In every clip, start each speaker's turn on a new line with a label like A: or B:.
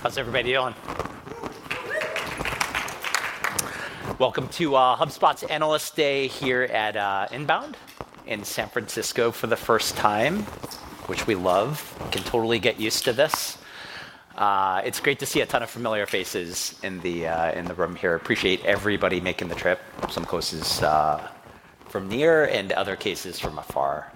A: How's everybody doing? Welcome to HubSpot's Analyst Day here at INBOUND in San Francisco for the first time, which we love. We can totally get used to this. It's great to see a ton of familiar faces in the room here. Appreciate everybody making the trip, some places from near and other cases from afar.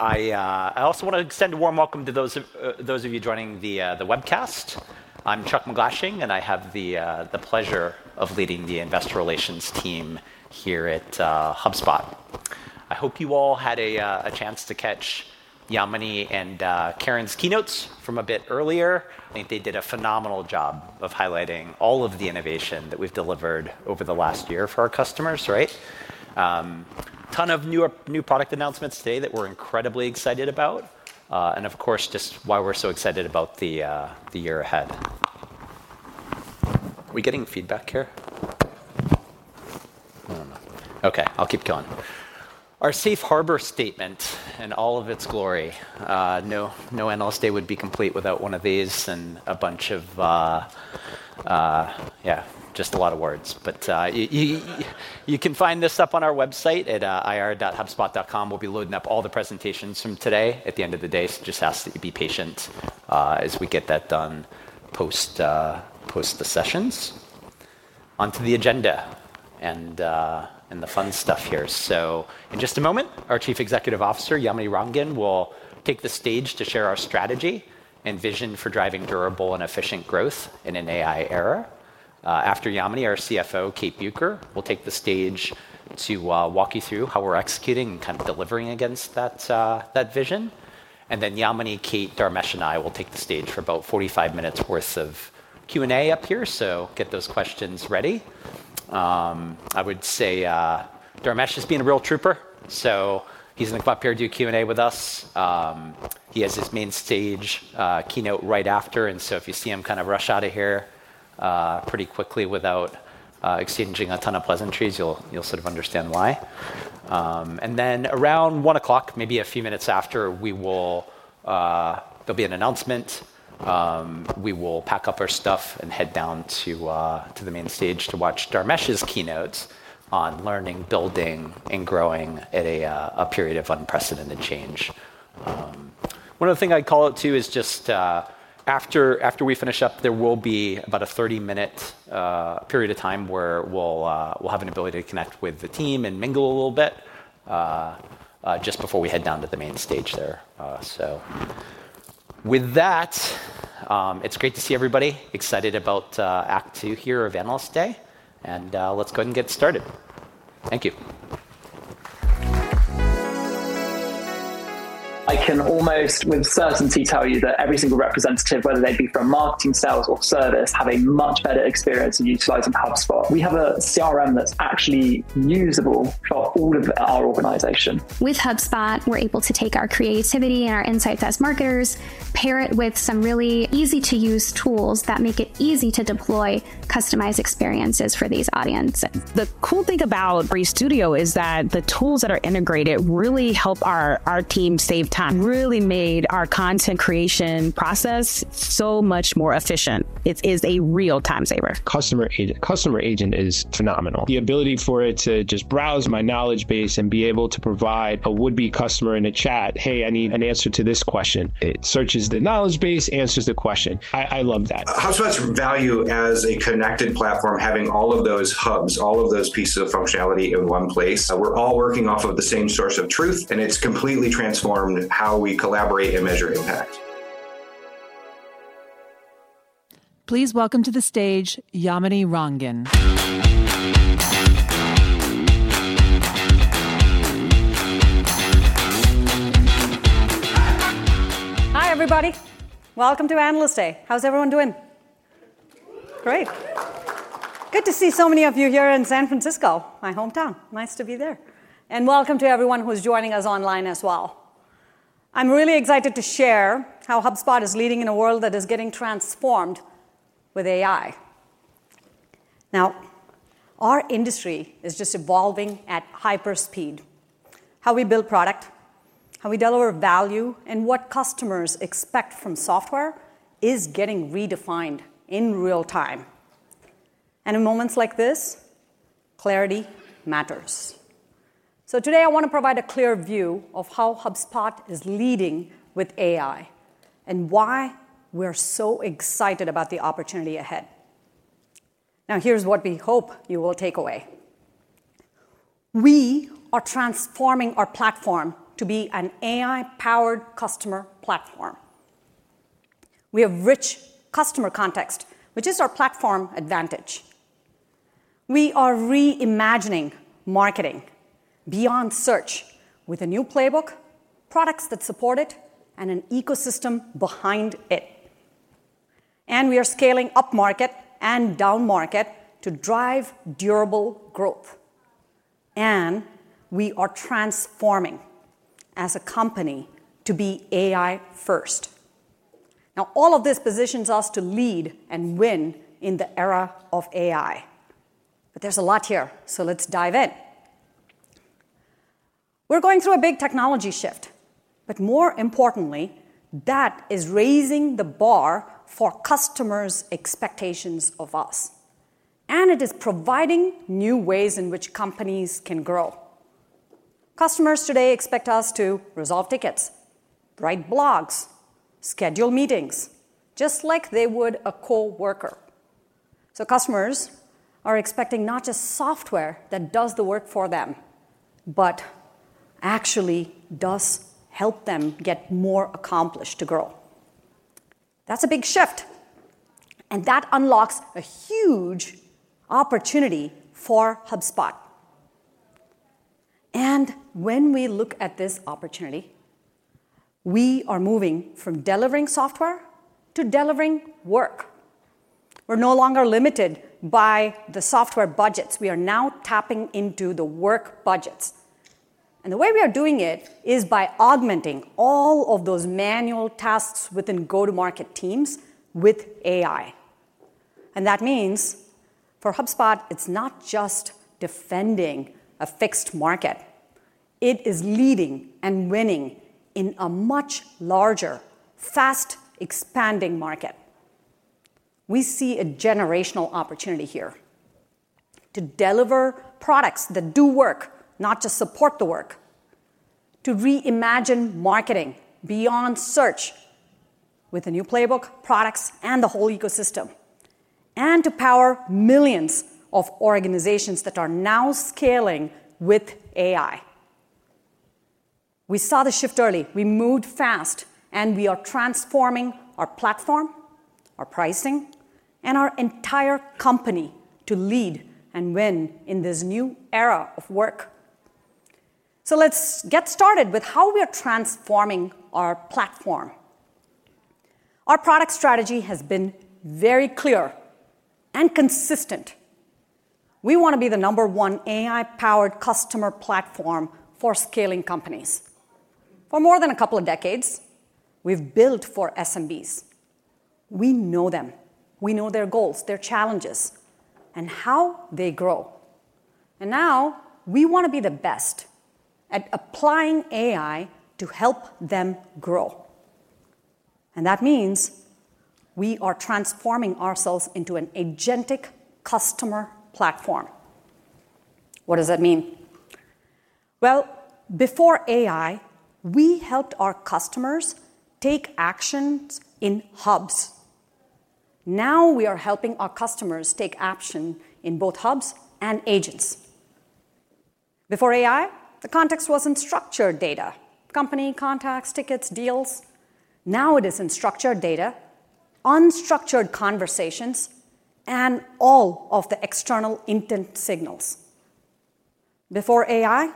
A: I also want to extend a warm welcome to those of you joining the webcast. I'm Chuck MacGlashing, and I have the pleasure of leading the Investor Relations team here at HubSpot. I hope you all had a chance to catch Yamini and Karen's keynotes from a bit earlier. I think they did a phenomenal job of highlighting all of the innovation that we've delivered over the last year for our customers, right? A ton of new product announcements today that we're incredibly excited about, and of course, just why we're so excited about the year ahead. Are we getting feedback here? OK, I'll keep going. Our Safe Harbor Statement in all of its glory. No analyst day would be complete without one of these and a bunch of, yeah, just a lot of words. But you can find this up on our website at ir.hubspot.com. We'll be loading up all the presentations from today at the end of the day, so just ask that you be patient as we get that done post the sessions. Onto the agenda and the fun stuff here. So in just a moment, our Chief Executive Officer, Yamini Rangan, will take the stage to share our strategy and vision for driving durable and efficient growth in an AI era. After Yamini, our CEO. Our CFO, Kate Bueker, will take the stage to walk you through how we're executing and kind of delivering against that vision. And then Yamini, Kate, Dharmesh, and I will take the stage for about 45 minutes' worth of Q&A up here, so get those questions ready. I would say Dharmesh is being a real trooper, so he's going to come up here and do Q&A with us. He has his main stage keynote right after, and so if you see him kind of rush out of here pretty quickly without exchanging a ton of pleasantries, you'll sort of understand why. And then around 1 o'clock, maybe a few minutes after, there'll be an announcement. We will pack up our stuff and head down to the main stage to watch Dharmesh's keynotes on learning, building, and growing at a period of unprecedented change. One other thing I'd call out too is just after we finish up, there will be about a 30-minute period of time where we'll have an ability to connect with the team and mingle a little bit just before we head down to the main stage there. So with that, it's great to see everybody excited about Act Two here of Analyst Day, and let's go ahead and get started. Thank you. I can almost with certainty tell you that every single representative, whether they'd be from marketing, sales, or service, have a much better experience in utilizing HubSpot. We have a CRM that's actually usable for all of our organization. With HubSpot, we're able to take our creativity and our insights as marketers, pair it with some really easy-to-use tools that make it easy to deploy customized experiences for these audiences. The cool thing about Breeze Studio is that the tools that are integrated really help our team save time. It really made our content creation process so much more efficient. It is a real time saver. Customer Agent is phenomenal. The ability for it to just browse my knowledge base and be able to provide a would-be customer in a chat, "Hey, I need an answer to this question." It searches the knowledge base, answers the question. I love that. HubSpot's value as a connected platform, having all of those hubs, all of those pieces of functionality in one place. We're all working off of the same source of truth, and it's completely transformed how we collaborate and measure impact.
B: Please welcome to the stage Yamini Rangan.
C: Hi, everybody. Welcome to Analyst Day. How's everyone doing? Great. Good to see so many of you here in San Francisco, my hometown. Nice to be here. And welcome to everyone who's joining us online as well. I'm really excited to share how HubSpot is leading in a world that is getting transformed with AI. Now, our industry is just evolving at hyperspeed. How we build product, how we deliver value, and what customers expect from software is getting redefined in real time. And in moments like this, clarity matters. So today, I want to provide a clear view of how HubSpot is leading with AI and why we're so excited about the opportunity ahead. Now, here's what we hope you will take away. We are transforming our platform to be an AI-powered customer platform. We have rich customer context, which is our platform advantage. We are reimagining marketing beyond search with a new playbook, products that support it, and an ecosystem behind it. And we are scaling up market and down market to drive durable growth. And we are transforming as a company to be AI-first. Now, all of this positions us to lead and win in the era of AI. But there's a lot here, so let's dive in. We're going through a big technology shift, but more importantly, that is raising the bar for customers' expectations of us. And it is providing new ways in which companies can grow. Customers today expect us to resolve tickets, write blogs, schedule meetings, just like they would a coworker. So customers are expecting not just software that does the work for them, but actually does help them get more accomplished to grow. That's a big shift. And that unlocks a huge opportunity for HubSpot. When we look at this opportunity, we are moving from delivering software to delivering work. We're no longer limited by the software budgets. We are now tapping into the work budgets. And the way we are doing it is by augmenting all of those manual tasks within go-to-market teams with AI. And that means for HubSpot, it's not just defending a fixed market. It is leading and winning in a much larger, fast-expanding market. We see a generational opportunity here to deliver products that do work, not just support the work, to reimagine marketing beyond search with a new playbook, products, and the whole ecosystem, and to power millions of organizations that are now scaling with AI. We saw the shift early. We moved fast, and we are transforming our platform, our pricing, and our entire company to lead and win in this new era of work. Let's get started with how we are transforming our platform. Our product strategy has been very clear and consistent. We want to be the number one AI-powered customer platform for scaling companies. For more than a couple of decades, we've built for SMBs. We know them. We know their goals, their challenges, and how they grow. Now, we want to be the best at applying AI to help them grow. That means we are transforming ourselves into an agentic customer platform. What does that mean? Before AI, we helped our customers take actions in hubs. Now, we are helping our customers take action in both hubs and agents. Before AI, the context wasn't structured data: company, contacts, tickets, deals. Now, it is in structured data, unstructured conversations, and all of the external intent signals. Before AI,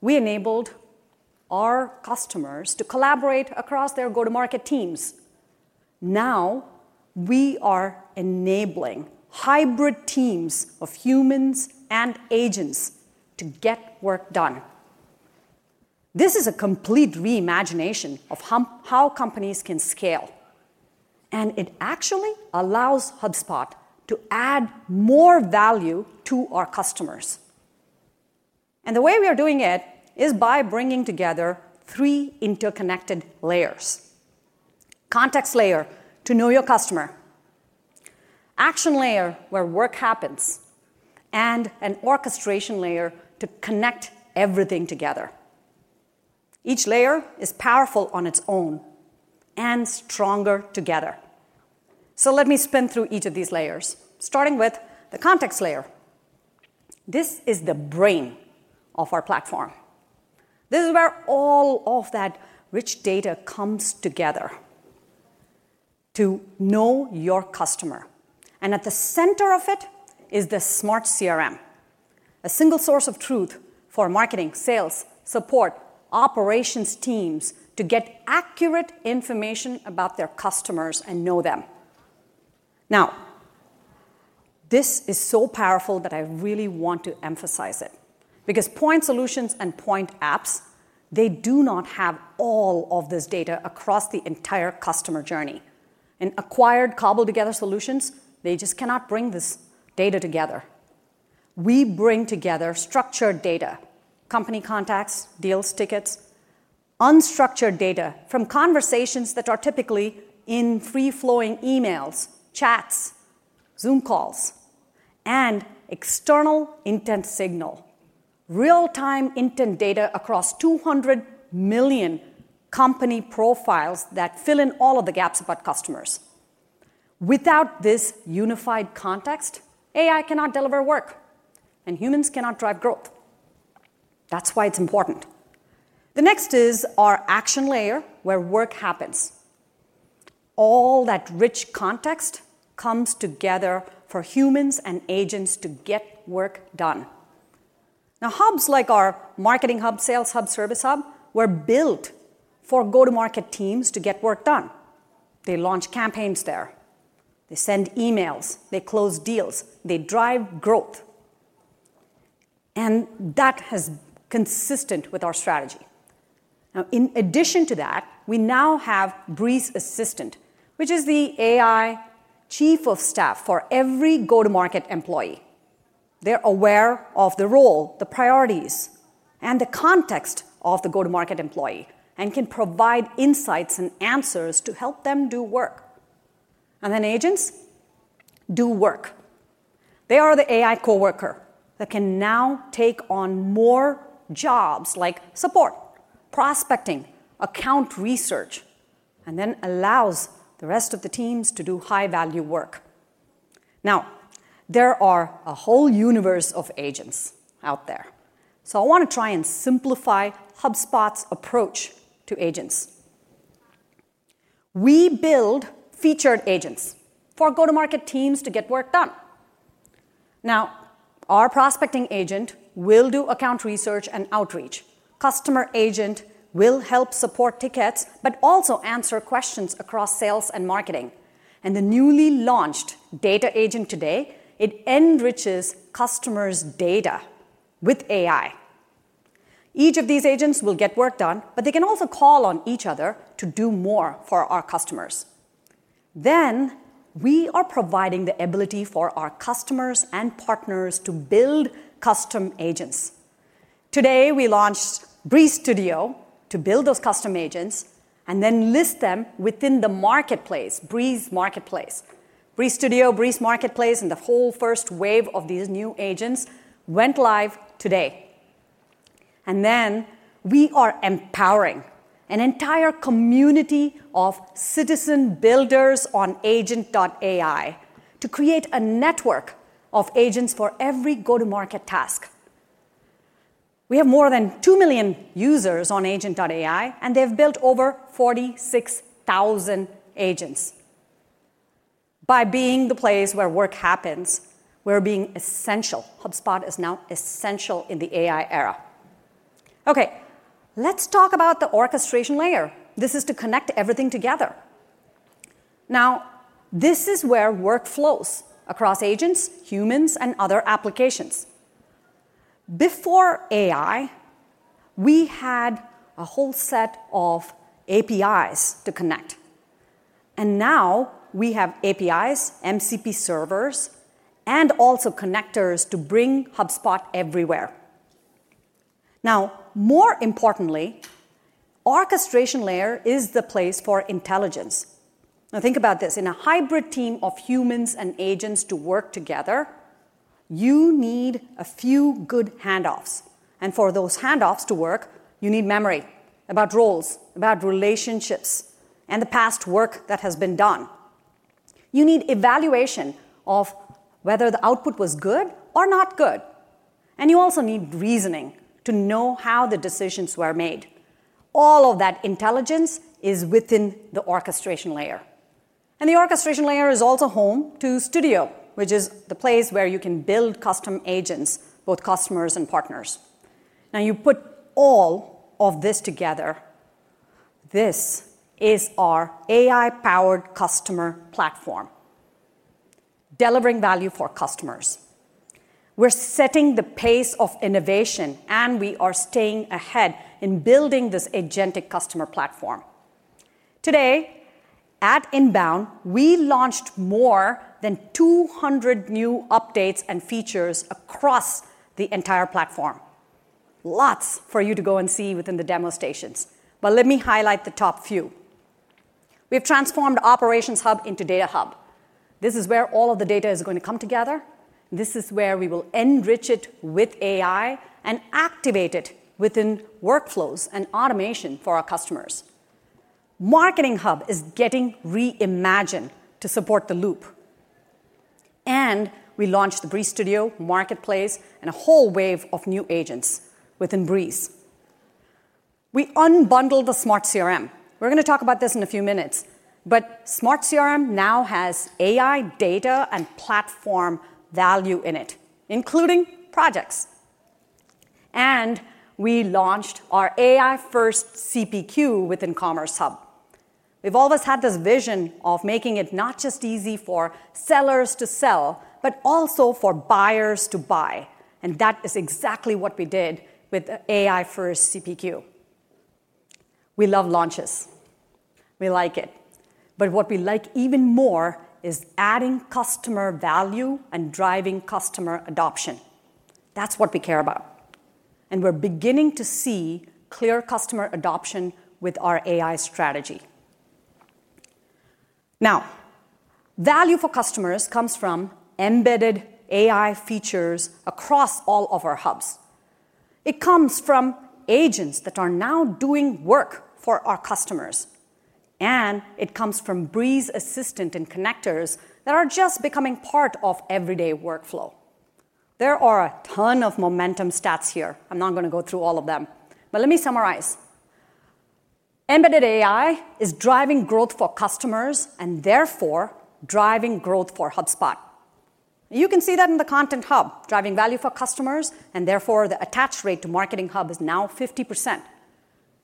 C: we enabled our customers to collaborate across their go-to-market teams. Now, we are enabling hybrid teams of humans and agents to get work done. This is a complete reimagination of how companies can scale, and it actually allows HubSpot to add more value to our customers. And the way we are doing it is by bringing together three interconnected layers: context layer to know your customer, action layer where work happens, and an orchestration layer to connect everything together. Each layer is powerful on its own and stronger together, so let me spin through each of these layers, starting with the context layer. This is the brain of our platform. This is where all of that rich data comes together to know your customer, and at the center of it is the Smart CRM, a single source of truth for marketing, sales, support, operations teams to get accurate information about their customers and know them. Now, this is so powerful that I really want to emphasize it because point solutions and point apps, they do not have all of this data across the entire customer journey. And acquired, cobbled-together solutions, they just cannot bring this data together. We bring together structured data, company, contacts, deals, tickets, unstructured data from conversations that are typically in free-flowing emails, chats, Zoom calls, and external intent signals, real-time intent data across 200 million company profiles that fill in all of the gaps about customers. Without this unified context, AI cannot deliver work, and humans cannot drive growth. That's why it's important. The next is our action layer where work happens. All that rich context comes together for humans and agents to get work done. Now, hubs like our Marketing Hub, Sales Hub, Service Hub were built for go-to-market teams to get work done. They launch campaigns there. They send emails. They close deals. They drive growth. And that has been consistent with our strategy. Now, in addition to that, we now have Breeze Assistant, which is the AI chief of staff for every go-to-market employee. They're aware of the role, the priorities, and the context of the go-to-market employee and can provide insights and answers to help them do work. And then agents do work. They are the AI coworker that can now take on more jobs like support, prospecting, account research, and then allows the rest of the teams to do high-value work. Now, there are a whole universe of agents out there. So I want to try and simplify HubSpot's approach to agents. We build featured agents for go-to-market teams to get work done. Now, our Prospecting Agent will do account research and outreach. Customer Agent will help support tickets, but also answer questions across sales and marketing. And the newly launched Data Agent today, it enriches customers' data with AI. Each of these agents will get work done, but they can also call on each other to do more for our customers. Then, we are providing the ability for our customers and partners to build custom agents. Today, we launched Breeze Studio to build those custom agents and then list them within the marketplace, Breeze Marketplace. Breeze Studio, Breeze Marketplace, and the whole first wave of these new agents went live today. And then, we are empowering an entire community of citizen builders on Agent.ai to create a network of agents for every go-to-market task. We have more than two million users on agent.ai, and they've built over 46,000 agents. By being the place where work happens, we're being essential. HubSpot is now essential in the AI era. Okay, let's talk about the orchestration layer. This is to connect everything together. Now, this is where work flows across agents, humans, and other applications. Before AI, we had a whole set of APIs to connect, and now, we have APIs, MCP servers, and also connectors to bring HubSpot everywhere. Now, more importantly, the orchestration layer is the place for intelligence. Now, think about this. In a hybrid team of humans and agents to work together, you need a few good handoffs, and for those handoffs to work, you need memory about roles, about relationships, and the past work that has been done. You need evaluation of whether the output was good or not good, and you also need reasoning to know how the decisions were made. All of that intelligence is within the orchestration layer. The orchestration layer is also home to Studio, which is the place where you can build custom agents, both customers and partners. Now, you put all of this together. This is our AI-powered customer platform, delivering value for customers. We're setting the pace of innovation, and we are staying ahead in building this agentic customer platform. Today, at INBOUND, we launched more than 200 new updates and features across the entire platform. Lots for you to go and see within the demo stations. But let me highlight the top few. We have transformed Operations Hub into Data Hub. This is where all of the data is going to come together. This is where we will enrich it with AI and activate it within workflows and automation for our customers. Marketing Hub is getting reimagined to support the Loop. We launched the Breeze Studio Marketplace and a whole wave of new agents within Breeze. We unbundled the Smart CRM. We're going to talk about this in a few minutes. But Smart CRM now has AI data and platform value in it, including projects. And we launched our AI-first CPQ within Commerce Hub. We've always had this vision of making it not just easy for sellers to sell, but also for buyers to buy. And that is exactly what we did with the AI-first CPQ. We love launches. We like it. But what we like even more is adding customer value and driving customer adoption. That's what we care about. And we're beginning to see clear customer adoption with our AI strategy. Now, value for customers comes from embedded AI features across all of our hubs. It comes from agents that are now doing work for our customers. It comes from Breeze Assistant and connectors that are just becoming part of everyday workflow. There are a ton of momentum stats here. I'm not going to go through all of them. But let me summarize. Embedded AI is driving growth for customers and therefore driving growth for HubSpot. You can see that in the Content Hub, driving value for customers. And therefore, the attach rate to Marketing Hub is now 50%.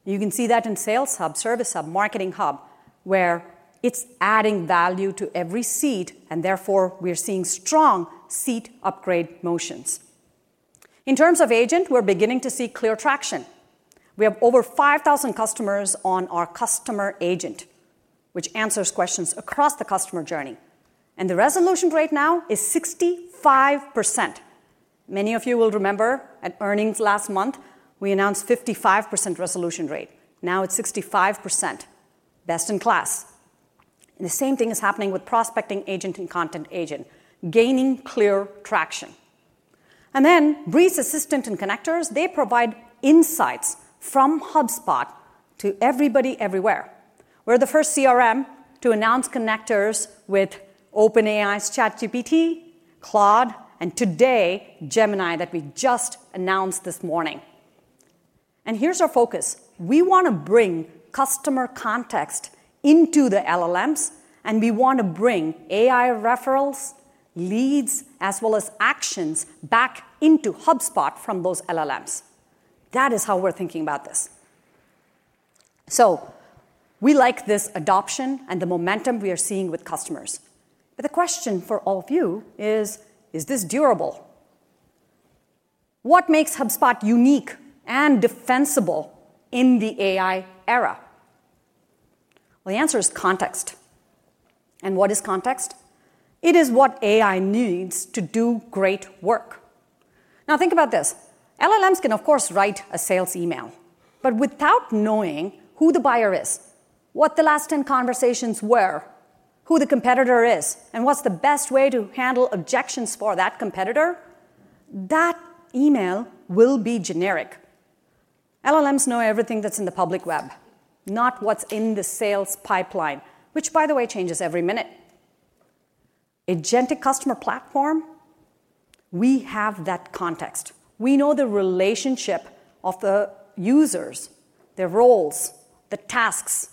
C: You can see that in Sales Hub, Service Hub, Marketing Hub, where it's adding value to every seat. And therefore, we are seeing strong seat upgrade motions. In terms of agent, we're beginning to see clear traction. We have over 5,000 customers on our Customer Agent, which answers questions across the customer journey. And the resolution rate now is 65%. Many of you will remember at earnings last month, we announced a 55% resolution rate. Now, it's 65%. Best in class, and the same thing is happening with Prospecting Agent and Content Agent, gaining clear traction, and then Breeze Assistant and connectors, they provide insights from HubSpot to everybody everywhere. We're the first CRM to announce connectors with OpenAI's ChatGPT, Claude, and today, Gemini that we just announced this morning, and here's our focus. We want to bring customer context into the LLMs, and we want to bring AI referrals, leads, as well as actions back into HubSpot from those LLMs. That is how we're thinking about this, so we like this adoption and the momentum we are seeing with customers, but the question for all of you is, is this durable? What makes HubSpot unique and defensible in the AI era? The answer is context, and what is context? It is what AI needs to do great work. Now, think about this. LLMs can, of course, write a sales email, but without knowing who the buyer is, what the last 10 conversations were, who the competitor is, and what's the best way to handle objections for that competitor, that email will be generic. LLMs know everything that's in the public web, not what's in the sales pipeline, which, by the way, changes every minute. Agentic customer platform, we have that context. We know the relationship of the users, their roles, the tasks,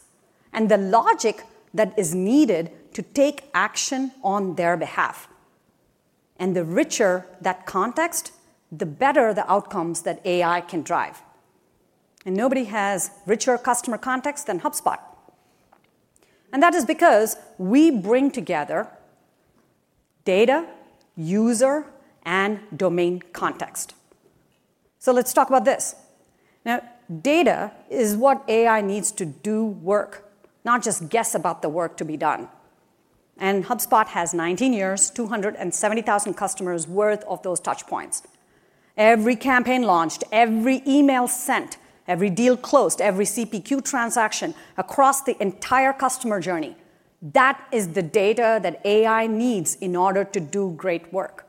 C: and the logic that is needed to take action on their behalf. And the richer that context, the better the outcomes that AI can drive. And nobody has richer customer context than HubSpot. And that is because we bring together data, user, and domain context. So let's talk about this. Now, data is what AI needs to do work, not just guess about the work to be done. HubSpot has 19 years, 270,000 customers' worth of those touch points. Every campaign launched, every email sent, every deal closed, every CPQ transaction across the entire customer journey. That is the data that AI needs in order to do great work.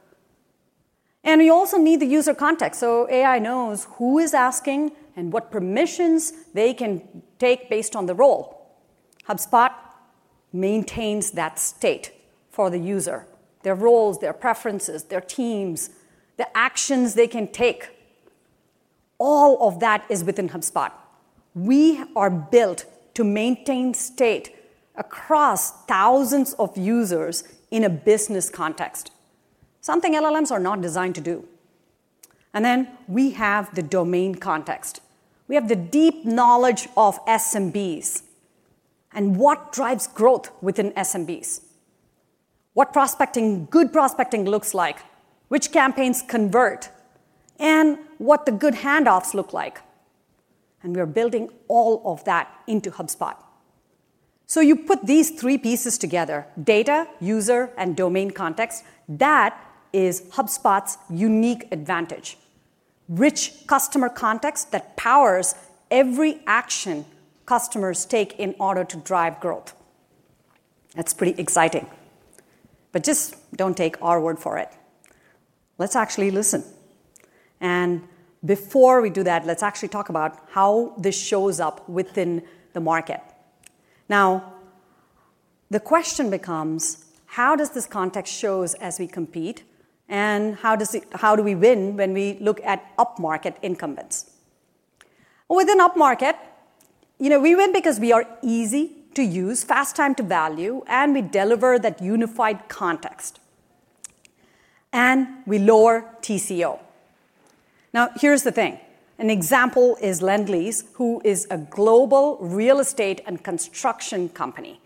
C: We also need the user context so AI knows who is asking and what permissions they can take based on the role. HubSpot maintains that state for the user, their roles, their preferences, their teams, the actions they can take. All of that is within HubSpot. We are built to maintain state across thousands of users in a business context, something LLMs are not designed to do. Then, we have the domain context. We have the deep knowledge of SMBs and what drives growth within SMBs, what prospecting, good prospecting looks like, which campaigns convert, and what the good handoffs look like. And we are building all of that into HubSpot. So you put these three pieces together: data, user, and domain context. That is HubSpot's unique advantage: rich customer context that powers every action customers take in order to drive growth. That's pretty exciting. But just don't take our word for it. Let's actually listen. And before we do that, let's actually talk about how this shows up within the market. Now, the question becomes, how does this context show as we compete? And how do we win when we look at up-market incumbents? Within up-market, we win because we are easy to use, fast time to value, and we deliver that unified context. And we lower TCO. Now, here's the thing. An example is Lendlease, who is a global real estate and construction company.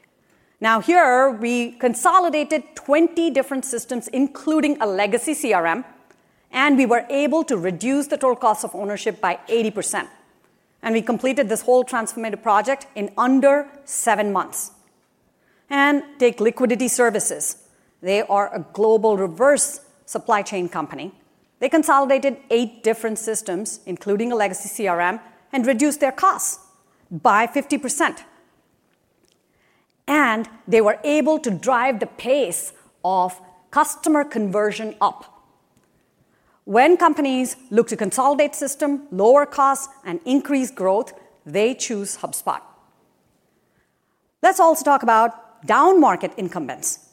C: Now, here, we consolidated 20 different systems, including a legacy CRM, and we were able to reduce the total cost of ownership by 80%, and we completed this whole transformative project in under seven months, and take Liquidity Services. They are a global reverse supply chain company. They consolidated eight different systems, including a legacy CRM, and reduced their costs by 50%, and they were able to drive the pace of customer conversion up. When companies look to consolidate systems, lower costs, and increase growth, they choose HubSpot. Let's also talk about down-market incumbents.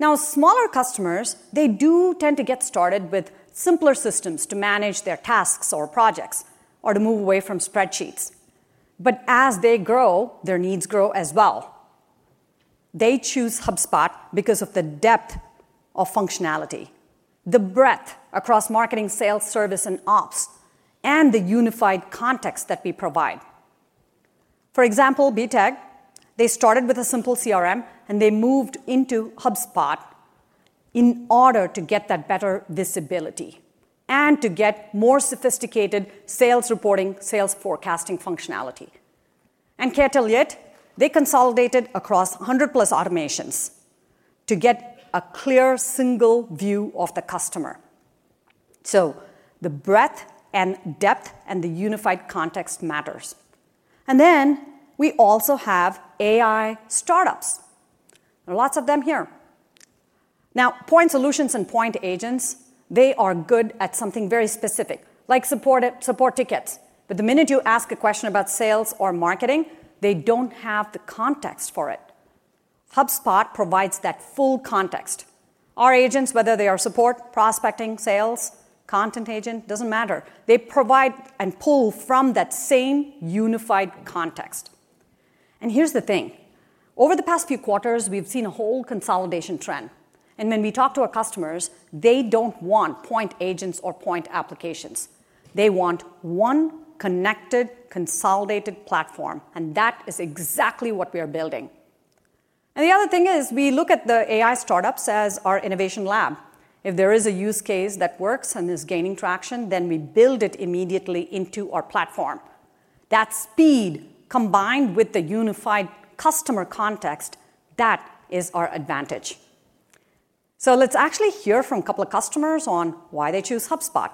C: Now, smaller customers, they do tend to get started with simpler systems to manage their tasks or projects or to move away from spreadsheets, but as they grow, their needs grow as well. They choose HubSpot because of the depth of functionality, the breadth across marketing, sales, service, and ops, and the unified context that we provide. For example, Viitag, they started with a simple CRM, and they moved into HubSpot in order to get that better visibility and to get more sophisticated sales reporting, sales forecasting functionality. And Catalyit, they consolidated across 100-plus automations to get a clear single view of the customer. So the breadth and depth and the unified context matters. And then, we also have AI startups. There are lots of them here. Now, point solutions and point agents, they are good at something very specific, like support tickets. But the minute you ask a question about sales or marketing, they don't have the context for it. HubSpot provides that full context. Our agents, whether they are support, prospecting, sales, Content Agent, doesn't matter. They provide and pull from that same unified context. And here's the thing. Over the past few quarters, we've seen a whole consolidation trend. And when we talk to our customers, they don't want Point Agents or Point Applications. They want one connected, consolidated platform. And that is exactly what we are building. And the other thing is we look at the AI startups as our innovation lab. If there is a use case that works and is gaining traction, then we build it immediately into our platform. That speed, combined with the unified customer context, that is our advantage. So let's actually hear from a couple of customers on why they choose HubSpot.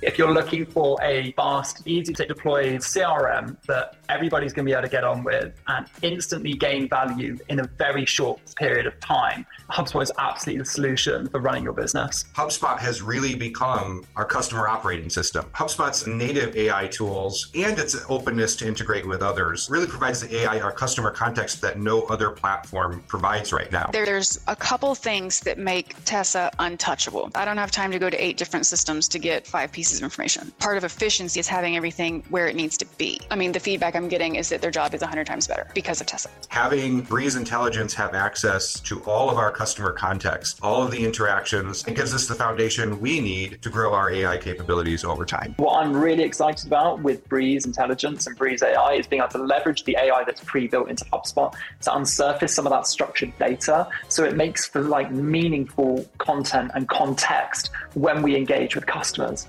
C: If you're looking for a fast, easy-to-deploy CRM that everybody's going to be able to get on with and instantly gain value in a very short period of time, HubSpot is absolutely the solution for running your business. HubSpot has really become our customer operating system. HubSpot's native AI tools and its openness to integrate with others really provides the AI or customer context that no other platform provides right now. There's a couple of things that make Tessa untouchable. I don't have time to go to eight different systems to get five pieces of information. Part of efficiency is having everything where it needs to be. I mean, the feedback I'm getting is that their job is 100 times better because of Tessa. Having Breeze Intelligence have access to all of our customer context, all of the interactions, it gives us the foundation we need to grow our AI capabilities over time. What I'm really excited about with Breeze Intelligence and Breeze AI is being able to leverage the AI that's pre-built into HubSpot to surface some of that structured data so it makes for meaningful content and context when we engage with customers.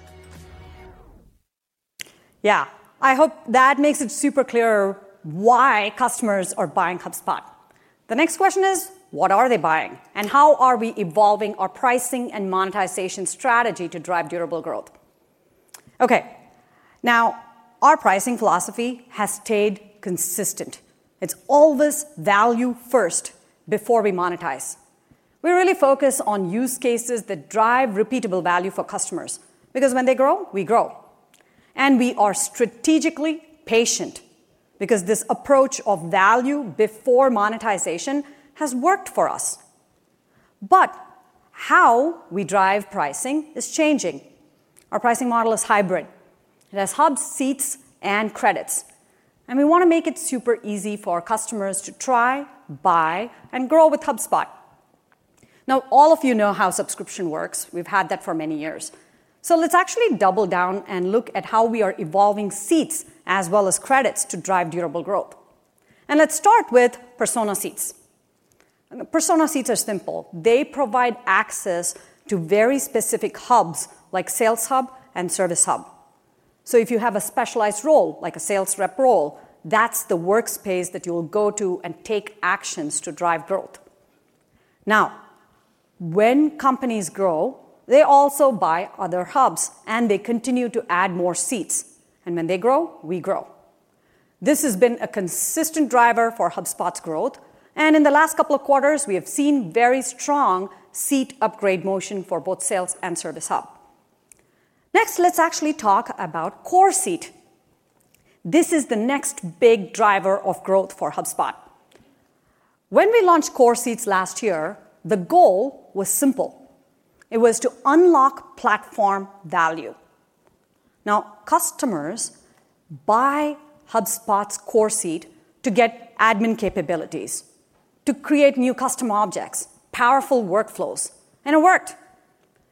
C: Yeah, I hope that makes it super clear why customers are buying HubSpot. The next question is, what are they buying? And how are we evolving our pricing and monetization strategy to drive durable growth? Okay. Now, our pricing philosophy has stayed consistent. It's always value first before we monetize. We really focus on use cases that drive repeatable value for customers because when they grow, we grow. And we are strategically patient because this approach of value before monetization has worked for us. But how we drive pricing is changing. Our pricing model is hybrid. It has hubs, seats, and credits. And we want to make it super easy for our customers to try, buy, and grow with HubSpot. Now, all of you know how subscription works. We've had that for many years. So let's actually double down and look at how we are evolving seats as well as credits to drive durable growth. And let's start with persona seats. Persona seats are simple. They provide access to very specific hubs like Sales Hub and Service Hub. So if you have a specialized role like a sales rep role, that's the workspace that you will go to and take actions to drive growth. Now, when companies grow, they also buy other hubs, and they continue to add more seats, and when they grow, we grow. This has been a consistent driver for HubSpot's growth, and in the last couple of quarters, we have seen very strong seat upgrade motion for both Sales Hub and Service Hub. Next, let's actually talk about Core Seat. This is the next big driver of growth for HubSpot. When we launched Core Seats last year, the goal was simple. It was to unlock platform value. Now, customers buy HubSpot's Core Seat to get admin capabilities, to create new customer objects, powerful workflows, and it worked.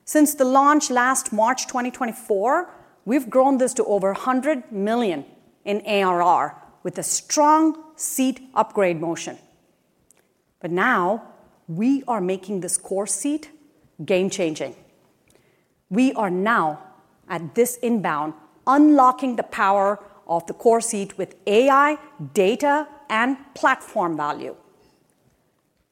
C: Since the launch last March 2024, we've grown this to over 100 million in ARR with a strong seat upgrade motion, but now, we are making this Core Seat game-changing. We are now, at this INBOUND, unlocking the power of the Core Seat with AI, data, and platform value.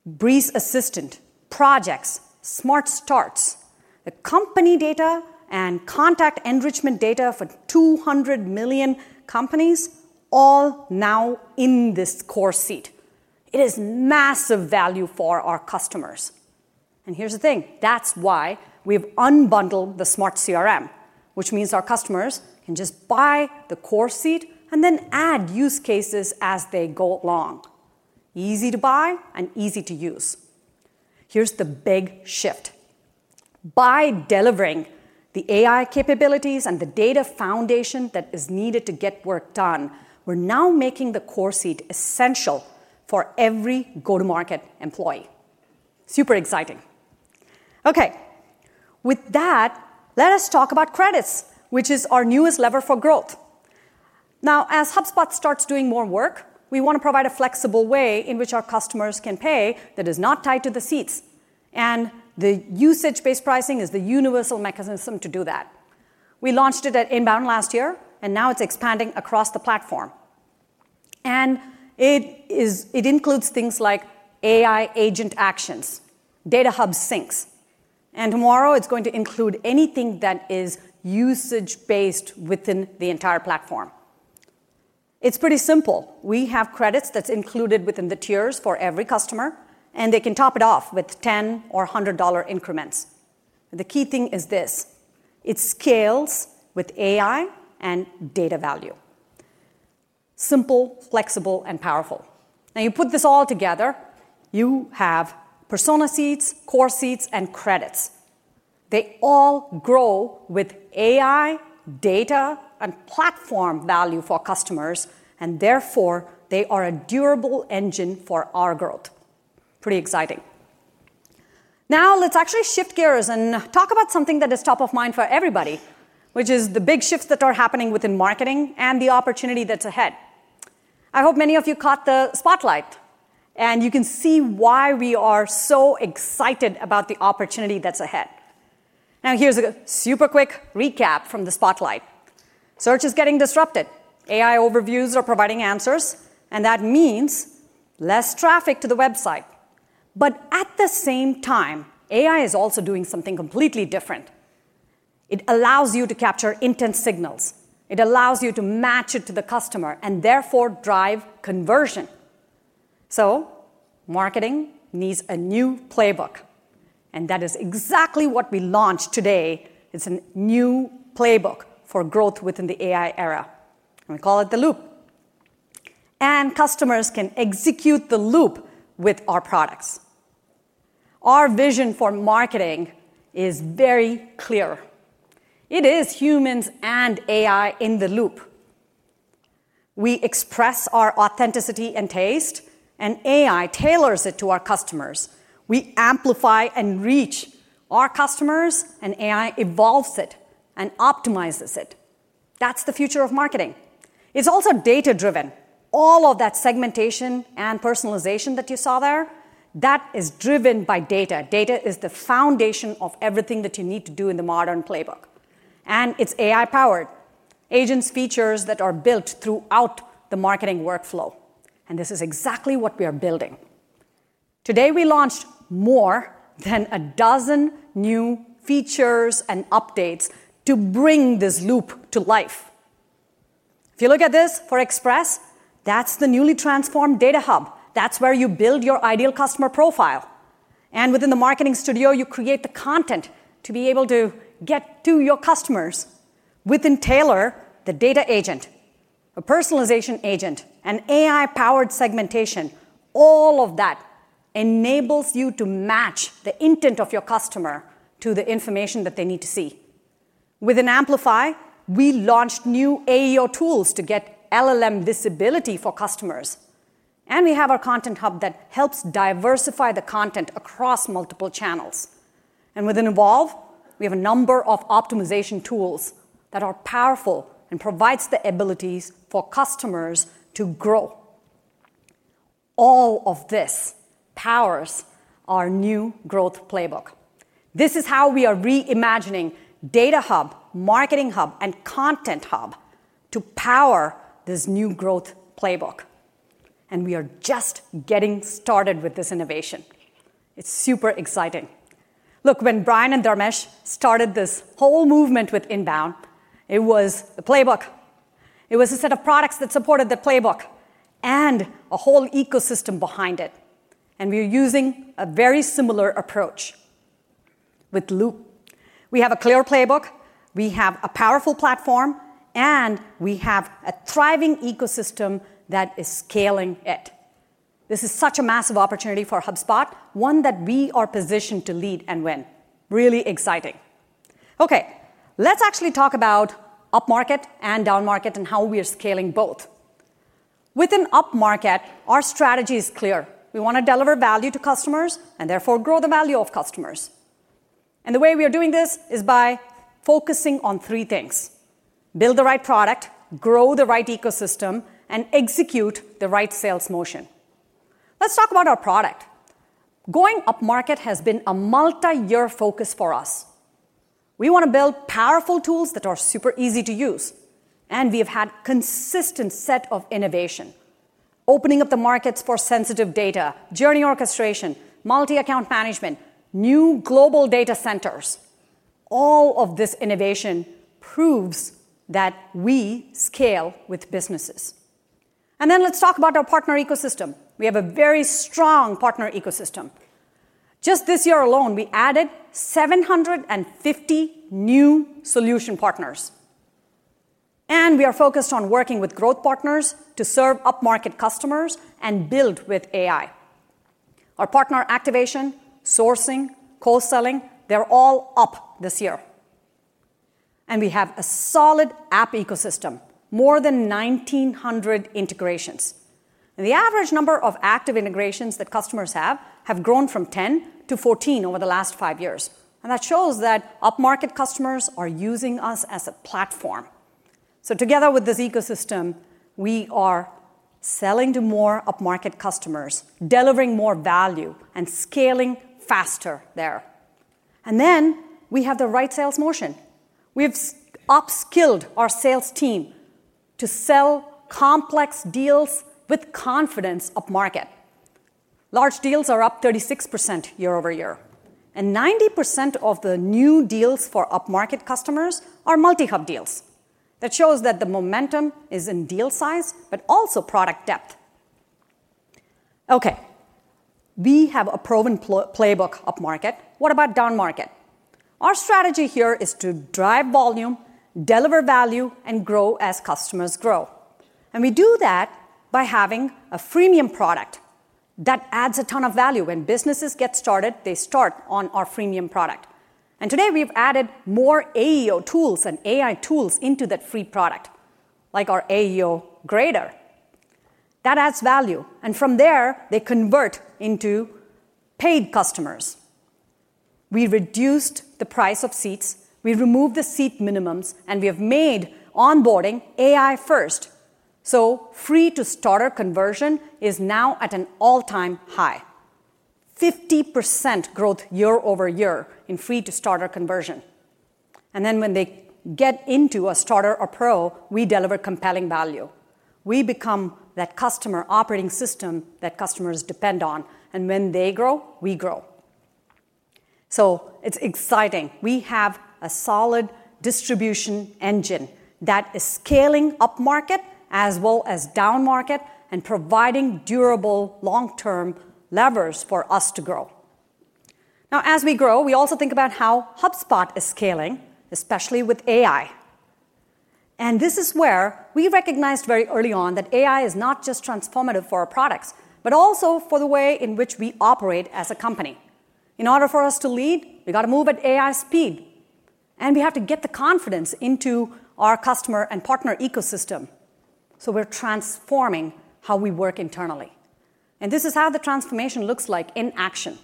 C: Breeze Assistant, projects, smart starts, the company data, and contact enrichment data for 200 million companies all now in this Core Seat. It is massive value for our customers. And here's the thing. That's why we've unbundled the Smart CRM, which means our customers can just buy the Core Seat and then add use cases as they go along. Easy to buy and easy to use. Here's the big shift. By delivering the AI capabilities and the data foundation that is needed to get work done, we're now making the Core Seat essential for every go-to-market employee. Super exciting. Okay. With that, let us talk about credits, which is our newest lever for growth. Now, as HubSpot starts doing more work, we want to provide a flexible way in which our customers can pay that is not tied to the seats. And the usage-based pricing is the universal mechanism to do that. We launched it at INBOUND last year, and now it's expanding across the platform. And it includes things like AI agent actions, Data Hub syncs. And tomorrow, it's going to include anything that is usage-based within the entire platform. It's pretty simple. We have credits that's included within the tiers for every customer, and they can top it off with $10 or $100 increments. The key thing is this. It scales with AI and data value. Simple, flexible, and powerful. Now, you put this all together, you have persona seats, core seats, and credits. They all grow with AI, data, and platform value for customers, and therefore, they are a durable engine for our growth. Pretty exciting. Now, let's actually shift gears and talk about something that is top of mind for everybody, which is the big shifts that are happening within marketing and the opportunity that's ahead. I hope many of you caught the spotlight, and you can see why we are so excited about the opportunity that's ahead. Now, here's a super quick recap from the spotlight. Search is getting disrupted. AI overviews are providing answers, and that means less traffic to the website. But at the same time, AI is also doing something completely different. It allows you to capture intent signals. It allows you to match it to the customer and therefore drive conversion. So marketing needs a new playbook. And that is exactly what we launched today. It's a new playbook for growth within the AI era. We call it the loop, and customers can execute the loop with our products. Our vision for marketing is very clear. It is humans and AI in the loop. We express our authenticity and taste, and AI tailors it to our customers. We amplify and reach our customers, and AI evolves it and optimizes it. That's the future of marketing. It's also data-driven. All of that segmentation and personalization that you saw there, that is driven by data. Data is the foundation of everything that you need to do in the modern playbook, and it's AI-powered. Agents features that are built throughout the marketing workflow, and this is exactly what we are building. Today, we launched more than a dozen new features and updates to bring this loop to life. If you look at this for Express, that's the newly transformed Data Hub. That's where you build your ideal customer profile, and within the marketing studio, you create the content to be able to get to your customers within Tailor, the Data Agent, a personalization agent, and AI-powered segmentation. All of that enables you to match the intent of your customer to the information that they need to see. Within Amplify, we launched new AEO tools to get LLM visibility for customers, and we have our Content Hub that helps diversify the content across multiple channels, and within Evolve, we have a number of optimization tools that are powerful and provide the abilities for customers to grow. All of this powers our new growth playbook. This is how we are reimagining Data Hub, Marketing Hub, and Content Hub to power this new growth playbook. We are just getting started with this innovation. It's super exciting. Look, when Brian and Dharmesh started this whole movement with inbound, it was the playbook. It was a set of products that supported the playbook and a whole ecosystem behind it. And we are using a very similar approach with Loop. We have a clear playbook. We have a powerful platform, and we have a thriving ecosystem that is scaling it. This is such a massive opportunity for HubSpot, one that we are positioned to lead and win. Really exciting. Okay. Let's actually talk about upmarket and downmarket and how we are scaling both. Within upmarket, our strategy is clear. We want to deliver value to customers and therefore grow the value of customers. And the way we are doing this is by focusing on three things: build the right product, grow the right ecosystem, and execute the right sales motion. Let's talk about our product. Going upmarket has been a multi-year focus for us. We want to build powerful tools that are super easy to use. And we have had a consistent set of innovation: opening up the markets for sensitive data, journey orchestration, multi-account management, new global data centers. All of this innovation proves that we scale with businesses. And then let's talk about our partner ecosystem. We have a very strong partner ecosystem. Just this year alone, we added 750 new solution partners. And we are focused on working with growth partners to serve upmarket customers and build with AI. Our partner activation, sourcing, co-selling, they're all up this year. And we have a solid app ecosystem, more than 1,900 integrations. The average number of active integrations that customers have grown from 10 to 14 over the last five years. That shows that upmarket customers are using us as a platform. Together with this ecosystem, we are selling to more upmarket customers, delivering more value, and scaling faster there. Then we have the right sales motion. We have upskilled our sales team to sell complex deals with confidence upmarket. Large deals are up 36% year over year. 90% of the new deals for upmarket customers are multi-hub deals. That shows that the momentum is in deal size, but also product depth. Okay. We have a proven playbook upmarket. What about downmarket? Our strategy here is to drive volume, deliver value, and grow as customers grow. We do that by having a freemium product that adds a ton of value. When businesses get started, they start on our freemium product, and today, we've added more AEO tools and AI tools into that free product, like our AEO Grader. That adds value, and from there, they convert into paid customers. We reduced the price of seats, we removed the seat minimums, and we have made onboarding AI-first, so free-to-starter conversion is now at an all-time high, 50% growth year over year in free-to-starter conversion, and then when they get into a starter or pro, we deliver compelling value. We become that customer operating system that customers depend on, and when they grow, we grow, so it's exciting. We have a solid distribution engine that is scaling upmarket as well as downmarket and providing durable long-term levers for us to grow. Now, as we grow, we also think about how HubSpot is scaling, especially with AI. And this is where we recognized very early on that AI is not just transformative for our products, but also for the way in which we operate as a company. In order for us to lead, we got to move at AI speed. And we have to get the confidence into our customer and partner ecosystem. So we're transforming how we work internally. And this is how the transformation looks like in action.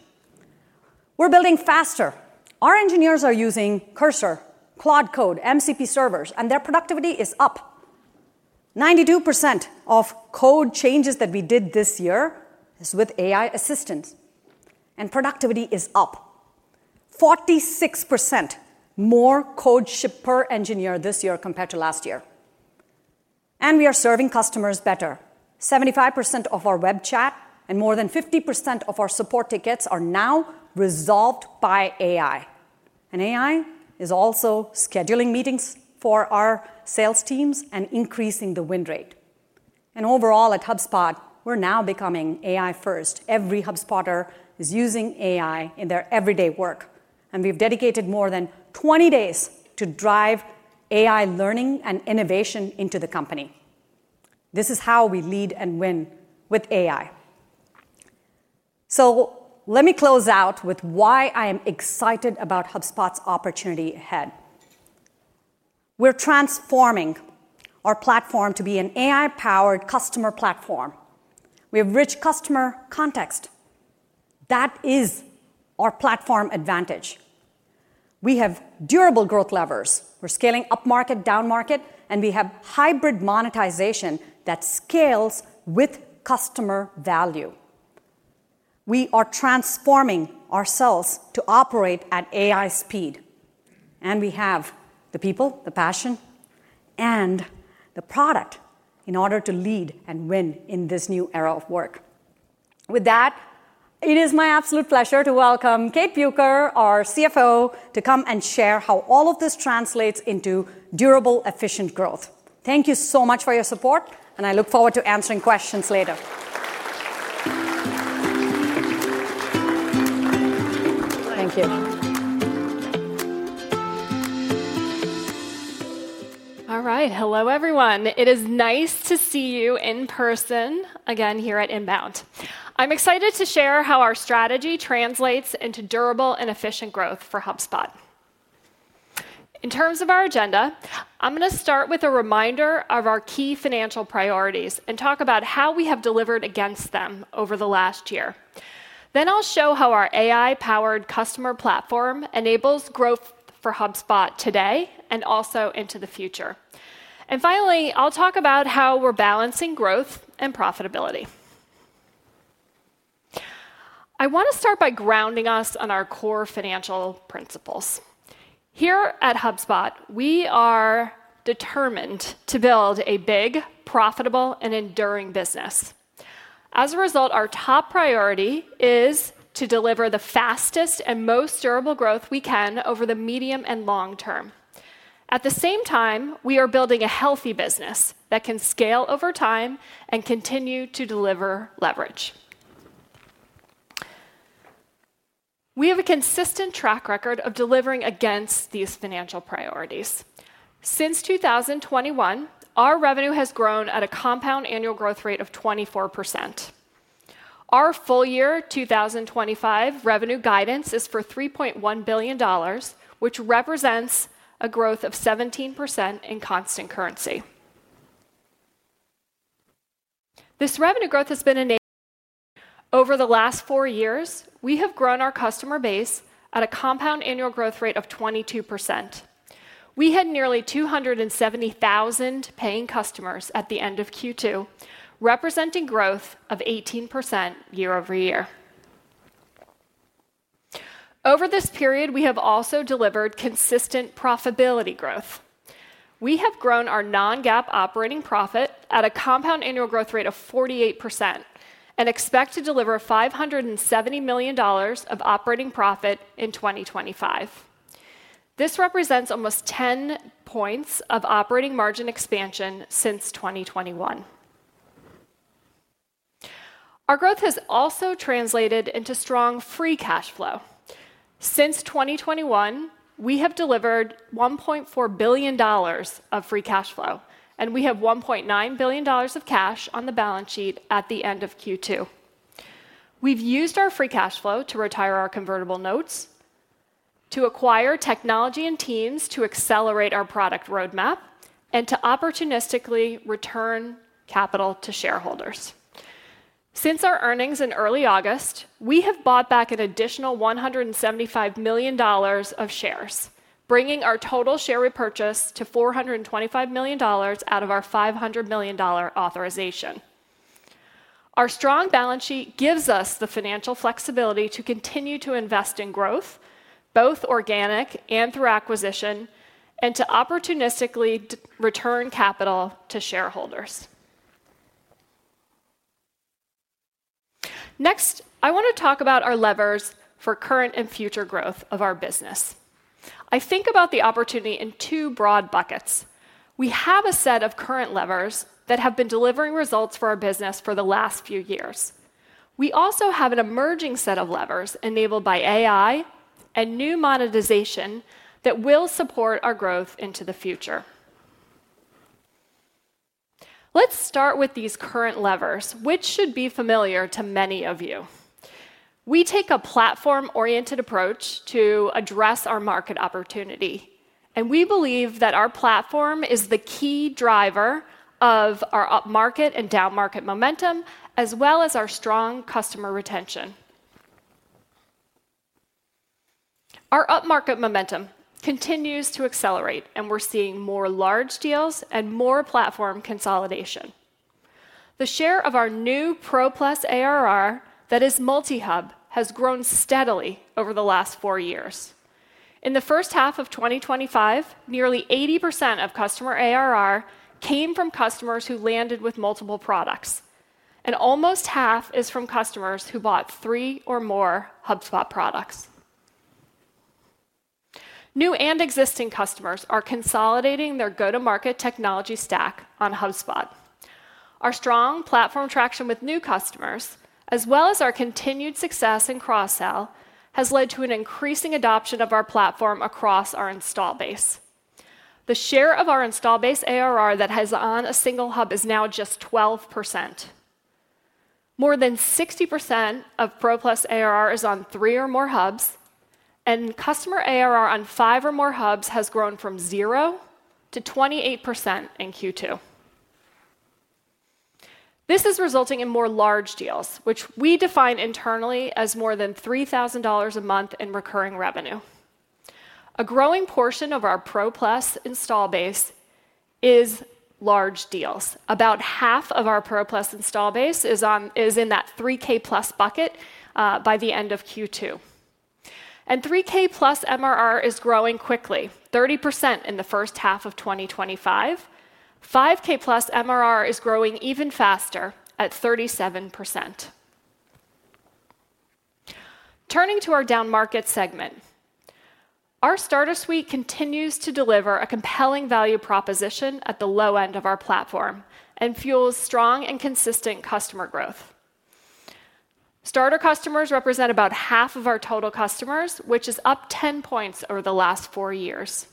C: We're building faster. Our engineers are using Cursor, Claude Code, MCP servers, and their productivity is up. 92% of code changes that we did this year is with AI assistance. And productivity is up 46% more code ship per engineer this year compared to last year. And we are serving customers better. 75% of our web chat and more than 50% of our support tickets are now resolved by AI. And AI is also scheduling meetings for our sales teams and increasing the win rate. And overall, at HubSpot, we're now becoming AI-first. Every HubSpotter is using AI in their everyday work. And we've dedicated more than 20 days to drive AI learning and innovation into the company. This is how we lead and win with AI. So let me close out with why I am excited about HubSpot's opportunity ahead. We're transforming our platform to be an AI-powered customer platform. We have rich customer context. That is our platform advantage. We have durable growth levers. We're scaling upmarket, downmarket, and we have hybrid monetization that scales with customer value. We are transforming ourselves to operate at AI speed. And we have the people, the passion, and the product in order to lead and win in this new era of work. With that, it is my absolute pleasure to welcome Kate Bueker, our CFO, to come and share how all of this translates into durable, efficient growth. Thank you so much for your support, and I look forward to answering questions later.
D: Thank you. All right. Hello, everyone. It is nice to see you in person again here at INBOUND. I'm excited to share how our strategy translates into durable and efficient growth for HubSpot. In terms of our agenda, I'm going to start with a reminder of our key financial priorities and talk about how we have delivered against them over the last year. Then I'll show how our AI-powered customer platform enables growth for HubSpot today and also into the future. And finally, I'll talk about how we're balancing growth and profitability. I want to start by grounding us on our core financial principles. Here at HubSpot, we are determined to build a big, profitable, and enduring business. As a result, our top priority is to deliver the fastest and most durable growth we can over the medium and long term. At the same time, we are building a healthy business that can scale over time and continue to deliver leverage. We have a consistent track record of delivering against these financial priorities. Since 2021, our revenue has grown at a compound annual growth rate of 24%. Our full year 2025 revenue guidance is for $3.1 billion, which represents a growth of 17% in constant currency. This revenue growth has been enabled over the last four years. We have grown our customer base at a compound annual growth rate of 22%. We had nearly 270,000 paying customers at the end of Q2, representing growth of 18% year over year. Over this period, we have also delivered consistent profitability growth. We have grown our non-GAAP operating profit at a compound annual growth rate of 48% and expect to deliver $570 million of operating profit in 2025. This represents almost 10 points of operating margin expansion since 2021. Our growth has also translated into strong free cash flow. Since 2021, we have delivered $1.4 billion of free cash flow, and we have $1.9 billion of cash on the balance sheet at the end of Q2. We've used our free cash flow to retire our convertible notes, to acquire technology and teams to accelerate our product roadmap, and to opportunistically return capital to shareholders. Since our earnings in early August, we have bought back an additional $175 million of shares, bringing our total share repurchase to $425 million out of our $500 million authorization. Our strong balance sheet gives us the financial flexibility to continue to invest in growth, both organic and through acquisition, and to opportunistically return capital to shareholders. Next, I want to talk about our levers for current and future growth of our business. I think about the opportunity in two broad buckets. We have a set of current levers that have been delivering results for our business for the last few years. We also have an emerging set of levers enabled by AI and new monetization that will support our growth into the future. Let's start with these current levers, which should be familiar to many of you. We take a platform-oriented approach to address our market opportunity, and we believe that our platform is the key driver of our upmarket and downmarket momentum, as well as our strong customer retention. Our upmarket momentum continues to accelerate, and we're seeing more large deals and more platform consolidation. The share of our new Pro+ ARR that is multi-hub has grown steadily over the last four years. In the first half of 2025, nearly 80% of customer ARR came from customers who landed with multiple products, and almost half is from customers who bought three or more HubSpot products. New and existing customers are consolidating their go-to-market technology stack on HubSpot. Our strong platform traction with new customers, as well as our continued success in cross-sell, has led to an increasing adoption of our platform across our install base. The share of our install base ARR that has on a single hub is now just 12%. More than 60% of Pro+ ARR is on three or more hubs, and customer ARR on five or more hubs has grown from zero to 28% in Q2. This is resulting in more large deals, which we define internally as more than $3,000 a month in recurring revenue. A growing portion of our Pro+ install base is large deals. About half of our Pro+ install base is in that 3K-plus bucket by the end of Q2, and 3K-plus MRR is growing quickly, 30% in the first half of 2025. 5K-plus MRR is growing even faster at 37%. Turning to our downmarket segment, our starter suite continues to deliver a compelling value proposition at the low end of our platform and fuels strong and consistent customer growth. Starter customers represent about half of our total customers, which is up 10 points over the last four years.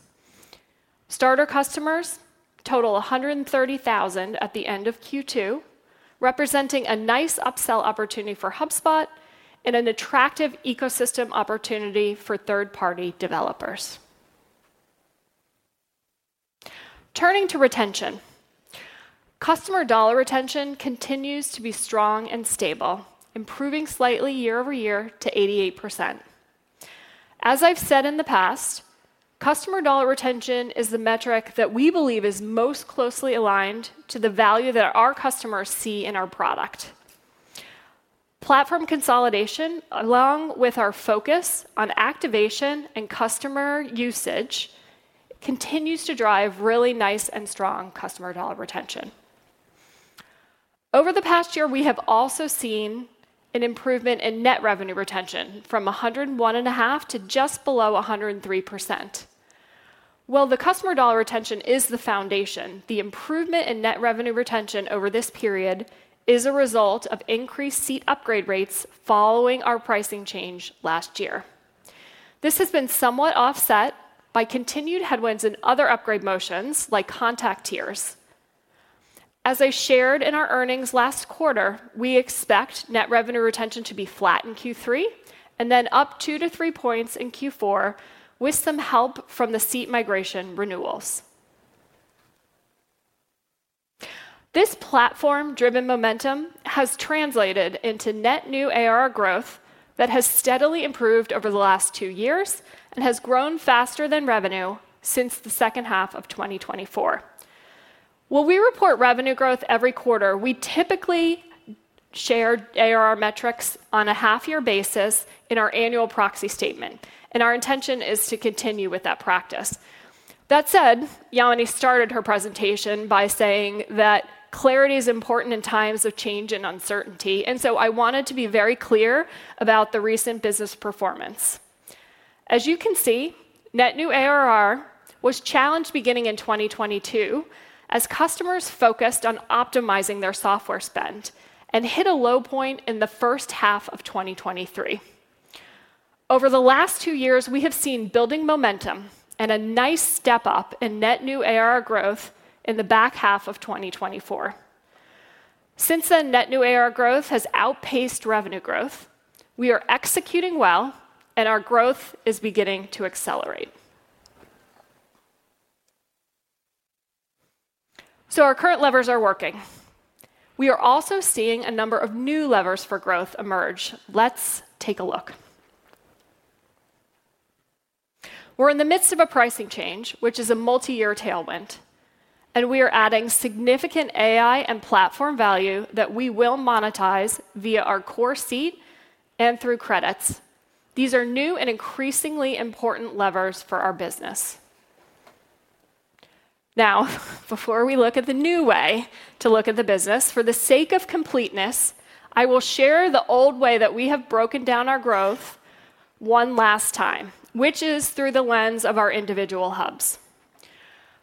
D: Starter customers total 130,000 at the end of Q2, representing a nice upsell opportunity for HubSpot and an attractive ecosystem opportunity for third-party developers. Turning to retention, customer dollar retention continues to be strong and stable, improving slightly year over year to 88%. As I've said in the past, customer dollar retention is the metric that we believe is most closely aligned to the value that our customers see in our product. Platform consolidation, along with our focus on activation and customer usage, continues to drive really nice and strong customer dollar retention. Over the past year, we have also seen an improvement in net revenue retention from 101.5% to just below 103%. While the customer dollar retention is the foundation, the improvement in net revenue retention over this period is a result of increased seat upgrade rates following our pricing change last year. This has been somewhat offset by continued headwinds in other upgrade motions, like contact tiers. As I shared in our earnings last quarter, we expect net revenue retention to be flat in Q3 and then up two to three points in Q4 with some help from the seat migration renewals. This platform-driven momentum has translated into net new ARR growth that has steadily improved over the last two years and has grown faster than revenue since the second half of 2024. When we report revenue growth every quarter, we typically share ARR metrics on a half-year basis in our annual proxy statement. And our intention is to continue with that practice. That said, Yamini started her presentation by saying that clarity is important in times of change and uncertainty. And so I wanted to be very clear about the recent business performance. As you can see, net new ARR was challenged beginning in 2022 as customers focused on optimizing their software spend and hit a low point in the first half of 2023. Over the last two years, we have seen building momentum and a nice step up in net new ARR growth in the back half of 2024. Since then, net new ARR growth has outpaced revenue growth. We are executing well, and our growth is beginning to accelerate. So our current levers are working. We are also seeing a number of new levers for growth emerge. Let's take a look. We're in the midst of a pricing change, which is a multi-year tailwind. And we are adding significant AI and platform value that we will monetize via our Core Seat and through Credits. These are new and increasingly important levers for our business. Now, before we look at the new way to look at the business, for the sake of completeness, I will share the old way that we have broken down our growth one last time, which is through the lens of our individual hubs.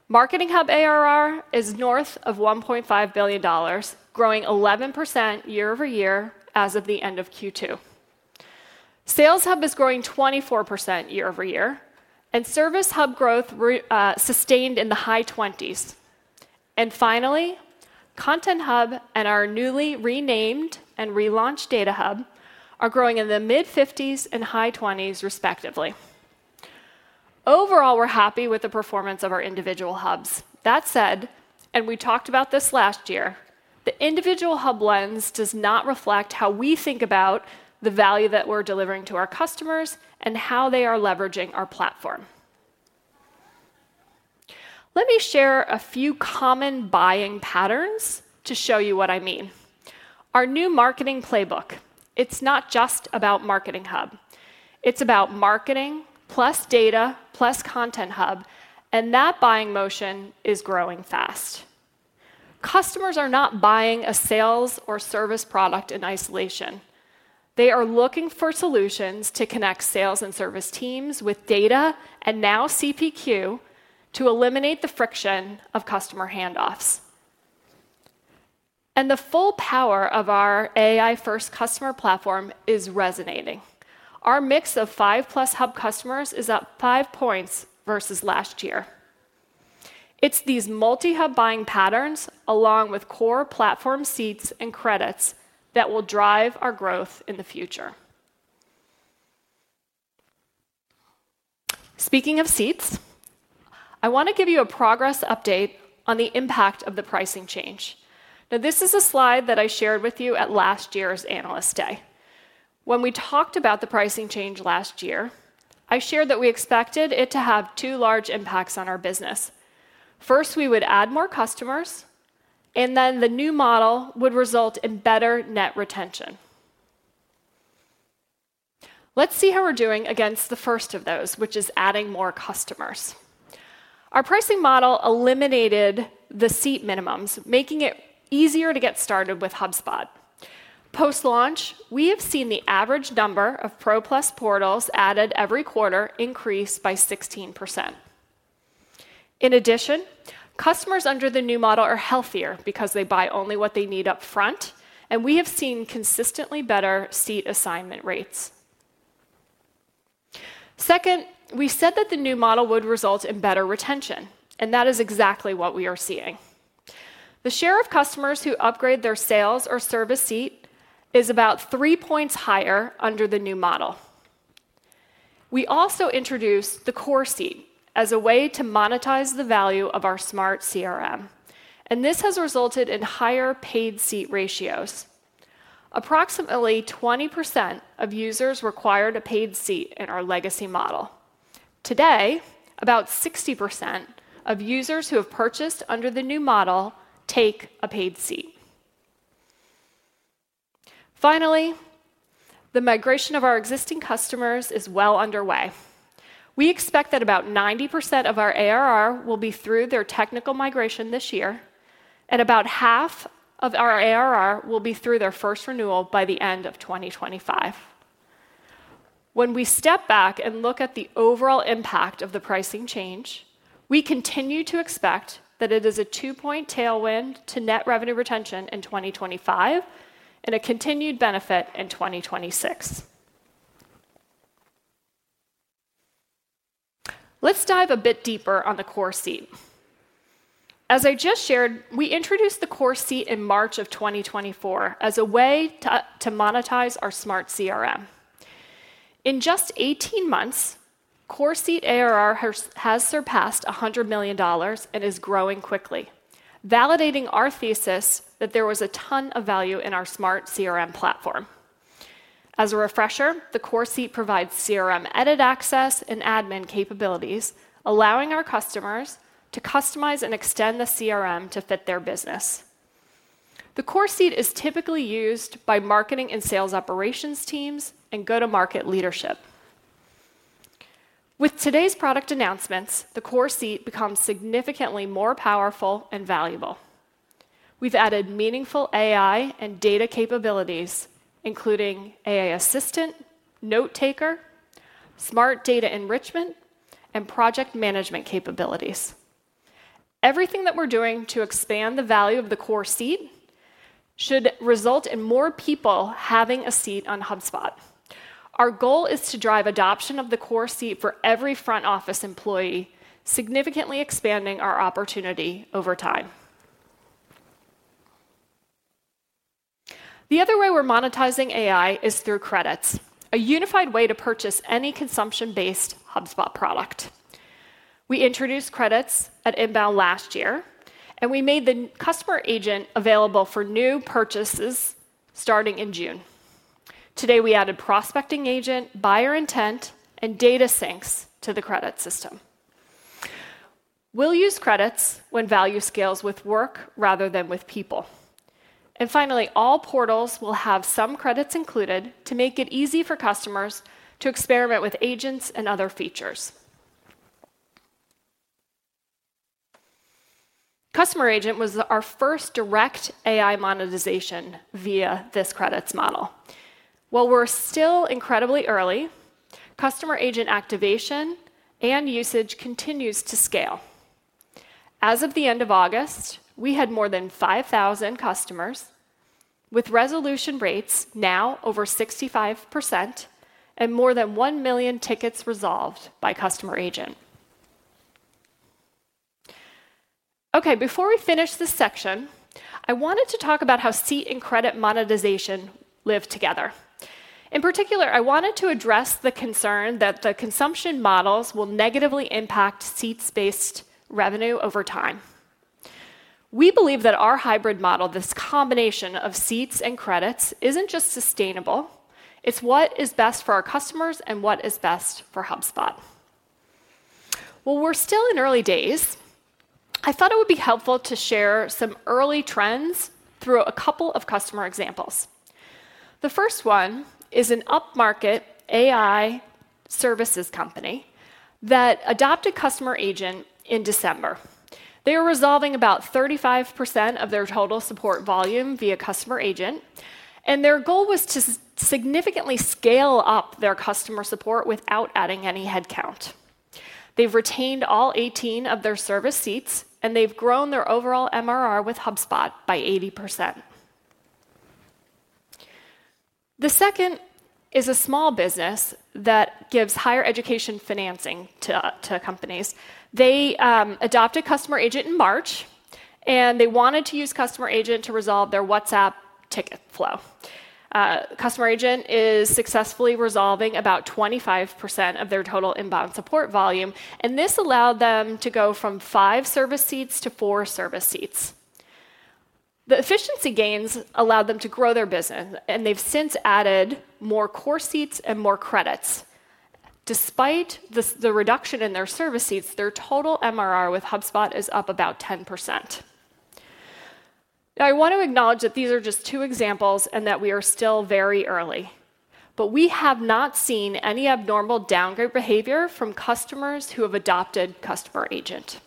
D: Marketing Hub ARR is north of $1.5 billion, growing 11% year over year as of the end of Q2. Sales Hub is growing 24% year over year, and Service Hub growth sustained in the high 20s. And finally, Content Hub and our newly renamed and relaunched Data Hub are growing in the mid-50s and high 20s, respectively. Overall, we're happy with the performance of our individual hubs. That said, and we talked about this last year, the individual hub lens does not reflect how we think about the value that we're delivering to our customers and how they are leveraging our platform. Let me share a few common buying patterns to show you what I mean. Our new marketing playbook, it's not just about Marketing Hub. It's about marketing plus data plus Content Hub, and that buying motion is growing fast. Customers are not buying a sales or service product in isolation. They are looking for solutions to connect sales and service teams with data and now CPQ to eliminate the friction of customer handoffs. And the full power of our AI-first customer platform is resonating. Our mix of five-plus hub customers is up five points versus last year. It's these multi-hub buying patterns along with core platform seats and credits that will drive our growth in the future. Speaking of seats, I want to give you a progress update on the impact of the pricing change. Now, this is a slide that I shared with you at last year's Analyst Day. When we talked about the pricing change last year, I shared that we expected it to have two large impacts on our business. First, we would add more customers, and then the new model would result in better net retention. Let's see how we're doing against the first of those, which is adding more customers. Our pricing model eliminated the seat minimums, making it easier to get started with HubSpot. Post-launch, we have seen the average number of Pro+ portals added every quarter increase by 16%. In addition, customers under the new model are healthier because they buy only what they need upfront, and we have seen consistently better seat assignment rates. Second, we said that the new model would result in better retention, and that is exactly what we are seeing. The share of customers who upgrade their sales or service seat is about three points higher under the new model. We also introduced the Core Seat as a way to monetize the value of our Smart CRM, and this has resulted in higher paid seat ratios. Approximately 20% of users required a paid seat in our legacy model. Today, about 60% of users who have purchased under the new model take a paid seat. Finally, the migration of our existing customers is well underway. We expect that about 90% of our ARR will be through their technical migration this year, and about half of our ARR will be through their first renewal by the end of 2025. When we step back and look at the overall impact of the pricing change, we continue to expect that it is a two-point tailwind to net revenue retention in 2025 and a continued benefit in 2026. Let's dive a bit deeper on the Core Seat. As I just shared, we introduced the Core Seat in March of 2024 as a way to monetize our Smart CRM. In just 18 months, Core Seat ARR has surpassed $100 million and is growing quickly, validating our thesis that there was a ton of value in our Smart CRM platform. As a refresher, the Core Seat provides CRM edit access and admin capabilities, allowing our customers to customize and extend the CRM to fit their business. The Core Seat is typically used by marketing and sales operations teams and go-to-market leadership. With today's product announcements, the Core Seat becomes significantly more powerful and valuable. We've added meaningful AI and data capabilities, including Breeze Assistant, Note Taker, Smart Data Enrichment, and Project Management capabilities. Everything that we're doing to expand the value of the Core Seat should result in more people having a seat on HubSpot. Our goal is to drive adoption of the Core Seat for every front office employee, significantly expanding our opportunity over time. The other way we're monetizing AI is through Credits, a unified way to purchase any consumption-based HubSpot product. We introduced Credits at INBOUND last year, and we made the Customer Agent available for new purchases starting in June. Today, we added Prospecting Agent, buyer intent, and data syncs to the credit system. We'll use Credits when value scales with work rather than with people. And finally, all portals will have some Credits included to make it easy for customers to experiment with agents and other features. Customer Agent was our first direct AI monetization via this credits model. While we're still incredibly early, Customer Agent activation and usage continues to scale. As of the end of August, we had more than 5,000 customers with resolution rates now over 65% and more than 1 million tickets resolved by Customer Agent. Okay, before we finish this section, I wanted to talk about how seats and credits monetization live together. In particular, I wanted to address the concern that the consumption models will negatively impact seats-based revenue over time. We believe that our hybrid model, this combination of seats and credits, isn't just sustainable, it's what is best for our customers and what is best for HubSpot. While we're still in early days, I thought it would be helpful to share some early trends through a couple of customer examples. The first one is an upmarket AI services company that adopted Customer Agent in December. They are resolving about 35% of their total support volume via Customer Agent, and their goal was to significantly scale up their customer support without adding any headcount. They've retained all 18 of their Service Seats, and they've grown their overall MRR with HubSpot by 80%. The second is a small business that gives higher education financing to companies. They adopted Customer Agent in March, and they wanted to use Customer Agent to resolve their WhatsApp ticket flow. Customer Agent is successfully resolving about 25% of their total inbound support volume, and this allowed them to go from five Service Seats to four Service Seats. The efficiency gains allowed them to grow their business, and they've since added more Core Seats and more Credits. Despite the reduction in their service seats, their total MRR with HubSpot is up about 10%. I want to acknowledge that these are just two examples and that we are still very early, but we have not seen any abnormal downgrade behavior from customers who have adopted Customer Agent.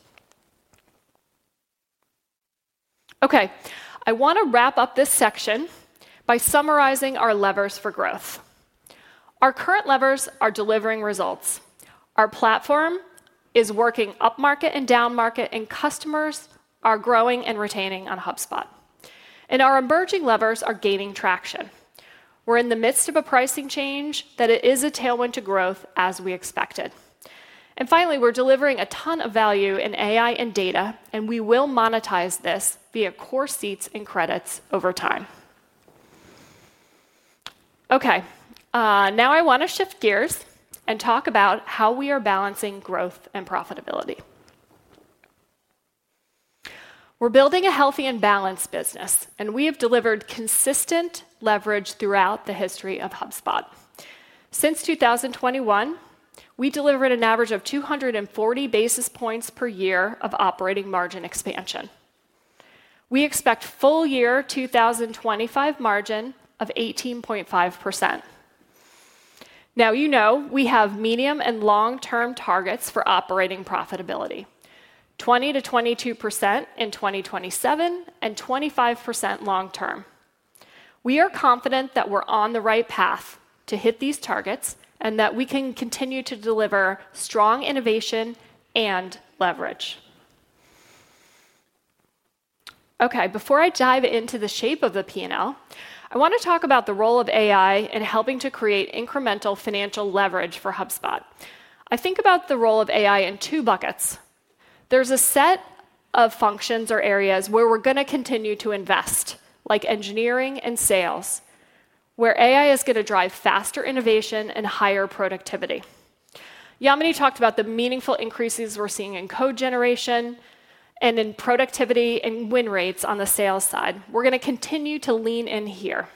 D: Okay, I want to wrap up this section by summarizing our levers for growth. Our current levers are delivering results. Our platform is working upmarket and downmarket, and customers are growing and retaining on HubSpot, and our emerging levers are gaining traction. We're in the midst of a pricing change that is a tailwind to growth, as we expected, and finally, we're delivering a ton of value in AI and data, and we will monetize this via Core seats and Credits over time. Okay, now I want to shift gears and talk about how we are balancing growth and profitability. We're building a healthy and balanced business, and we have delivered consistent leverage throughout the history of HubSpot. Since 2021, we delivered an average of 240 basis points per year of operating margin expansion. We expect full year 2025 margin of 18.5%. Now, you know we have medium and long-term targets for operating profitability: 20%-22% in 2027 and 25% long-term. We are confident that we're on the right path to hit these targets and that we can continue to deliver strong innovation and leverage. Okay, before I dive into the shape of the P&L, I want to talk about the role of AI in helping to create incremental financial leverage for HubSpot. I think about the role of AI in two buckets. There's a set of functions or areas where we're going to continue to invest, like engineering and sales, where AI is going to drive faster innovation and higher productivity. Yamini talked about the meaningful increases we're seeing in code generation and in productivity and win rates on the sales side. We're going to continue to lean in here.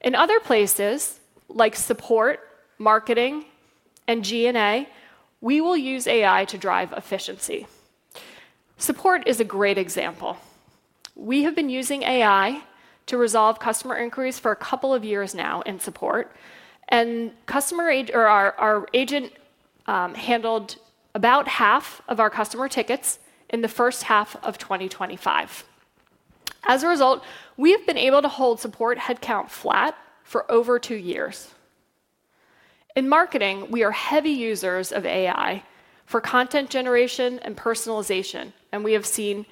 D: In other places, like support, marketing, and G&A, we will use AI to drive efficiency. Support is a great example. We have been using AI to resolve customer inquiries for a couple of years now in support, and our agent handled about half of our customer tickets in the first half of 2025. As a result, we have been able to hold support headcount flat for over two years. In marketing, we are heavy users of AI for content generation and personalization, and we have seen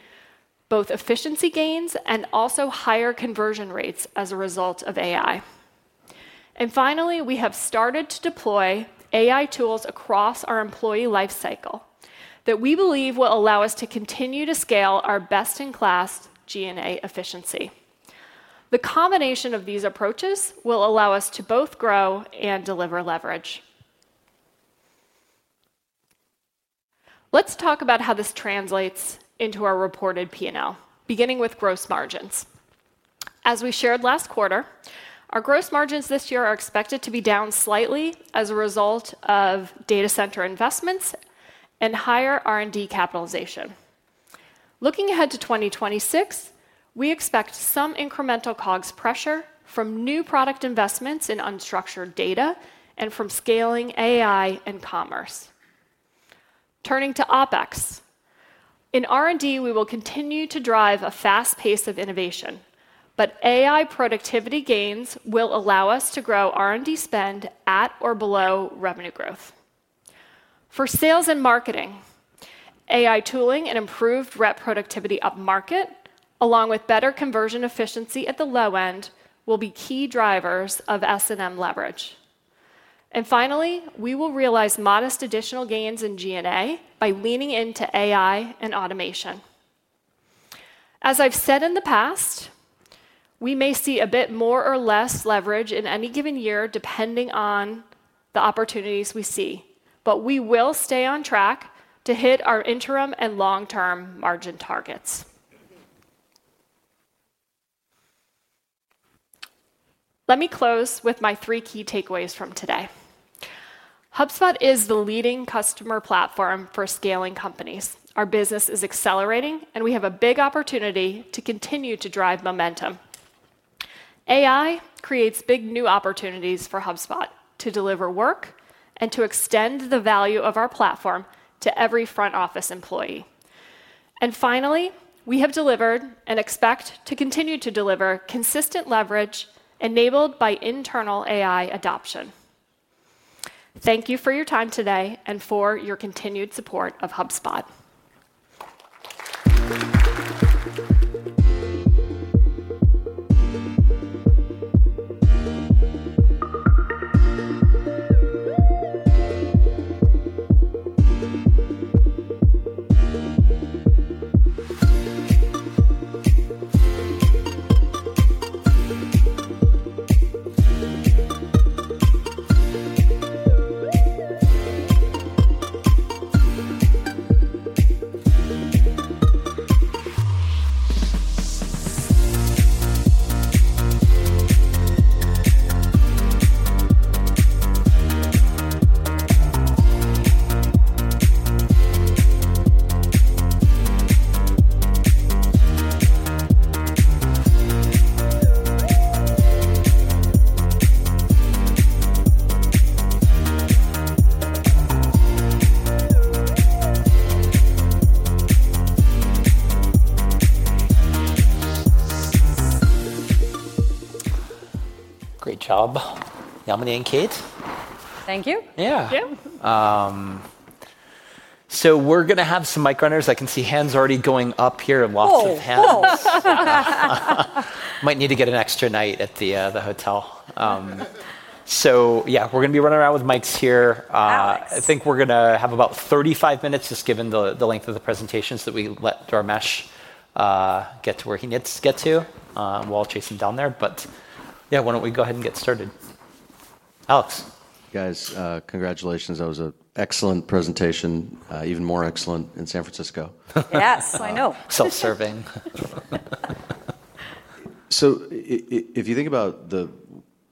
D: both efficiency gains and also higher conversion rates as a result of AI, and finally, we have started to deploy AI tools across our employee lifecycle that we believe will allow us to continue to scale our best-in-class G&A efficiency. The combination of these approaches will allow us to both grow and deliver leverage. Let's talk about how this translates into our reported P&L, beginning with gross margins. As we shared last quarter, our gross margins this year are expected to be down slightly as a result of data center investments and higher R&D capitalization. Looking ahead to 2026, we expect some incremental COGS pressure from new product investments in unstructured data and from scaling AI and commerce. Turning to OpEx. In R&D, we will continue to drive a fast pace of innovation, but AI productivity gains will allow us to grow R&D spend at or below revenue growth. For sales and marketing, AI tooling and improved rep productivity upmarket, along with better conversion efficiency at the low end, will be key drivers of S&M leverage, and finally, we will realize modest additional gains in G&A by leaning into AI and automation. As I've said in the past, we may see a bit more or less leverage in any given year depending on the opportunities we see, but we will stay on track to hit our interim and long-term margin targets. Let me close with my three key takeaways from today. HubSpot is the leading customer platform for scaling companies. Our business is accelerating, and we have a big opportunity to continue to drive momentum. AI creates big new opportunities for HubSpot to deliver work and to extend the value of our platform to every front office employee. And finally, we have delivered and expect to continue to deliver consistent leverage enabled by internal AI adoption. Thank you for your time today and for your continued support of HubSpot.
A: Great job, Yamini and Kate.
C: Thank you.
A: Yeah. So we're going to have some mic runners. I can see hands already going up here in lots of hands. Might need to get an extra night at the hotel. So yeah, we're going to be running around with mics here. I think we're going to have about 35 minutes just given the length of the presentations that we let Dharmesh get to where he needs to get to while chasing down there. But yeah, why don't we go ahead and get started? Alex.
E: Guys, congratulations. That was an excellent presentation, even more excellent in San Francisco.
C: Yes, I know.
A: Self-serving.
E: So if you think about the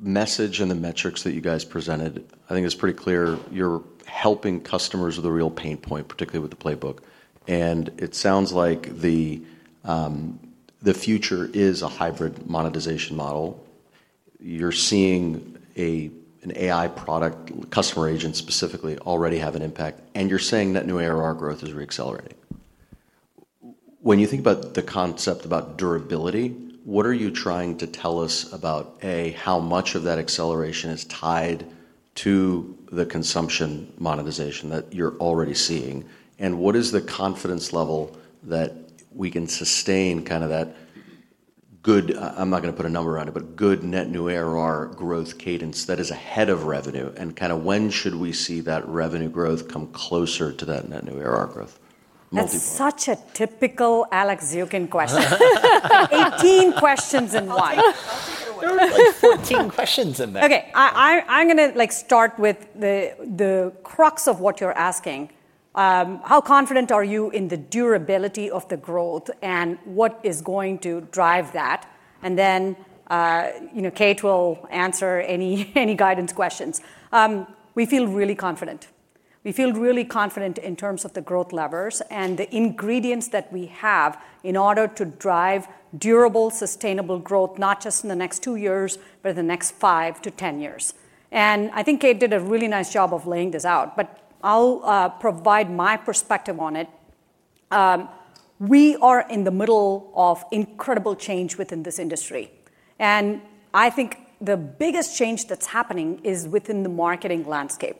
E: message and the metrics that you guys presented, I think it's pretty clear you're helping customers with the real pain point, particularly with the playbook. And it sounds like the future is a hybrid monetization model. You're seeing an AI product, customer agent specifically, already have an impact, and you're saying that new ARR growth is re-accelerating. When you think about the concept about durability, what are you trying to tell us about, A, how much of that acceleration is tied to the consumption monetization that you're already seeing? And what is the confidence level that we can sustain kind of that good, I'm not going to put a number on it, but good net new ARR growth cadence that is ahead of revenue? And kind of when should we see that revenue growth come closer to that net new ARR growth?
C: That's such a typical Alex Zukin question. 18 questions in one. I'll take it away.
A: 14 questions in there.
C: Okay, I'm going to start with the crux of what you're asking. How confident are you in the durability of the growth and what is going to drive that? And then Kate will answer any guidance questions. We feel really confident. We feel really confident in terms of the growth levers and the ingredients that we have in order to drive durable, sustainable growth, not just in the next two years, but in the next five to ten years. And I think Kate did a really nice job of laying this out, but I'll provide my perspective on it. We are in the middle of incredible change within this industry. And I think the biggest change that's happening is within the marketing landscape.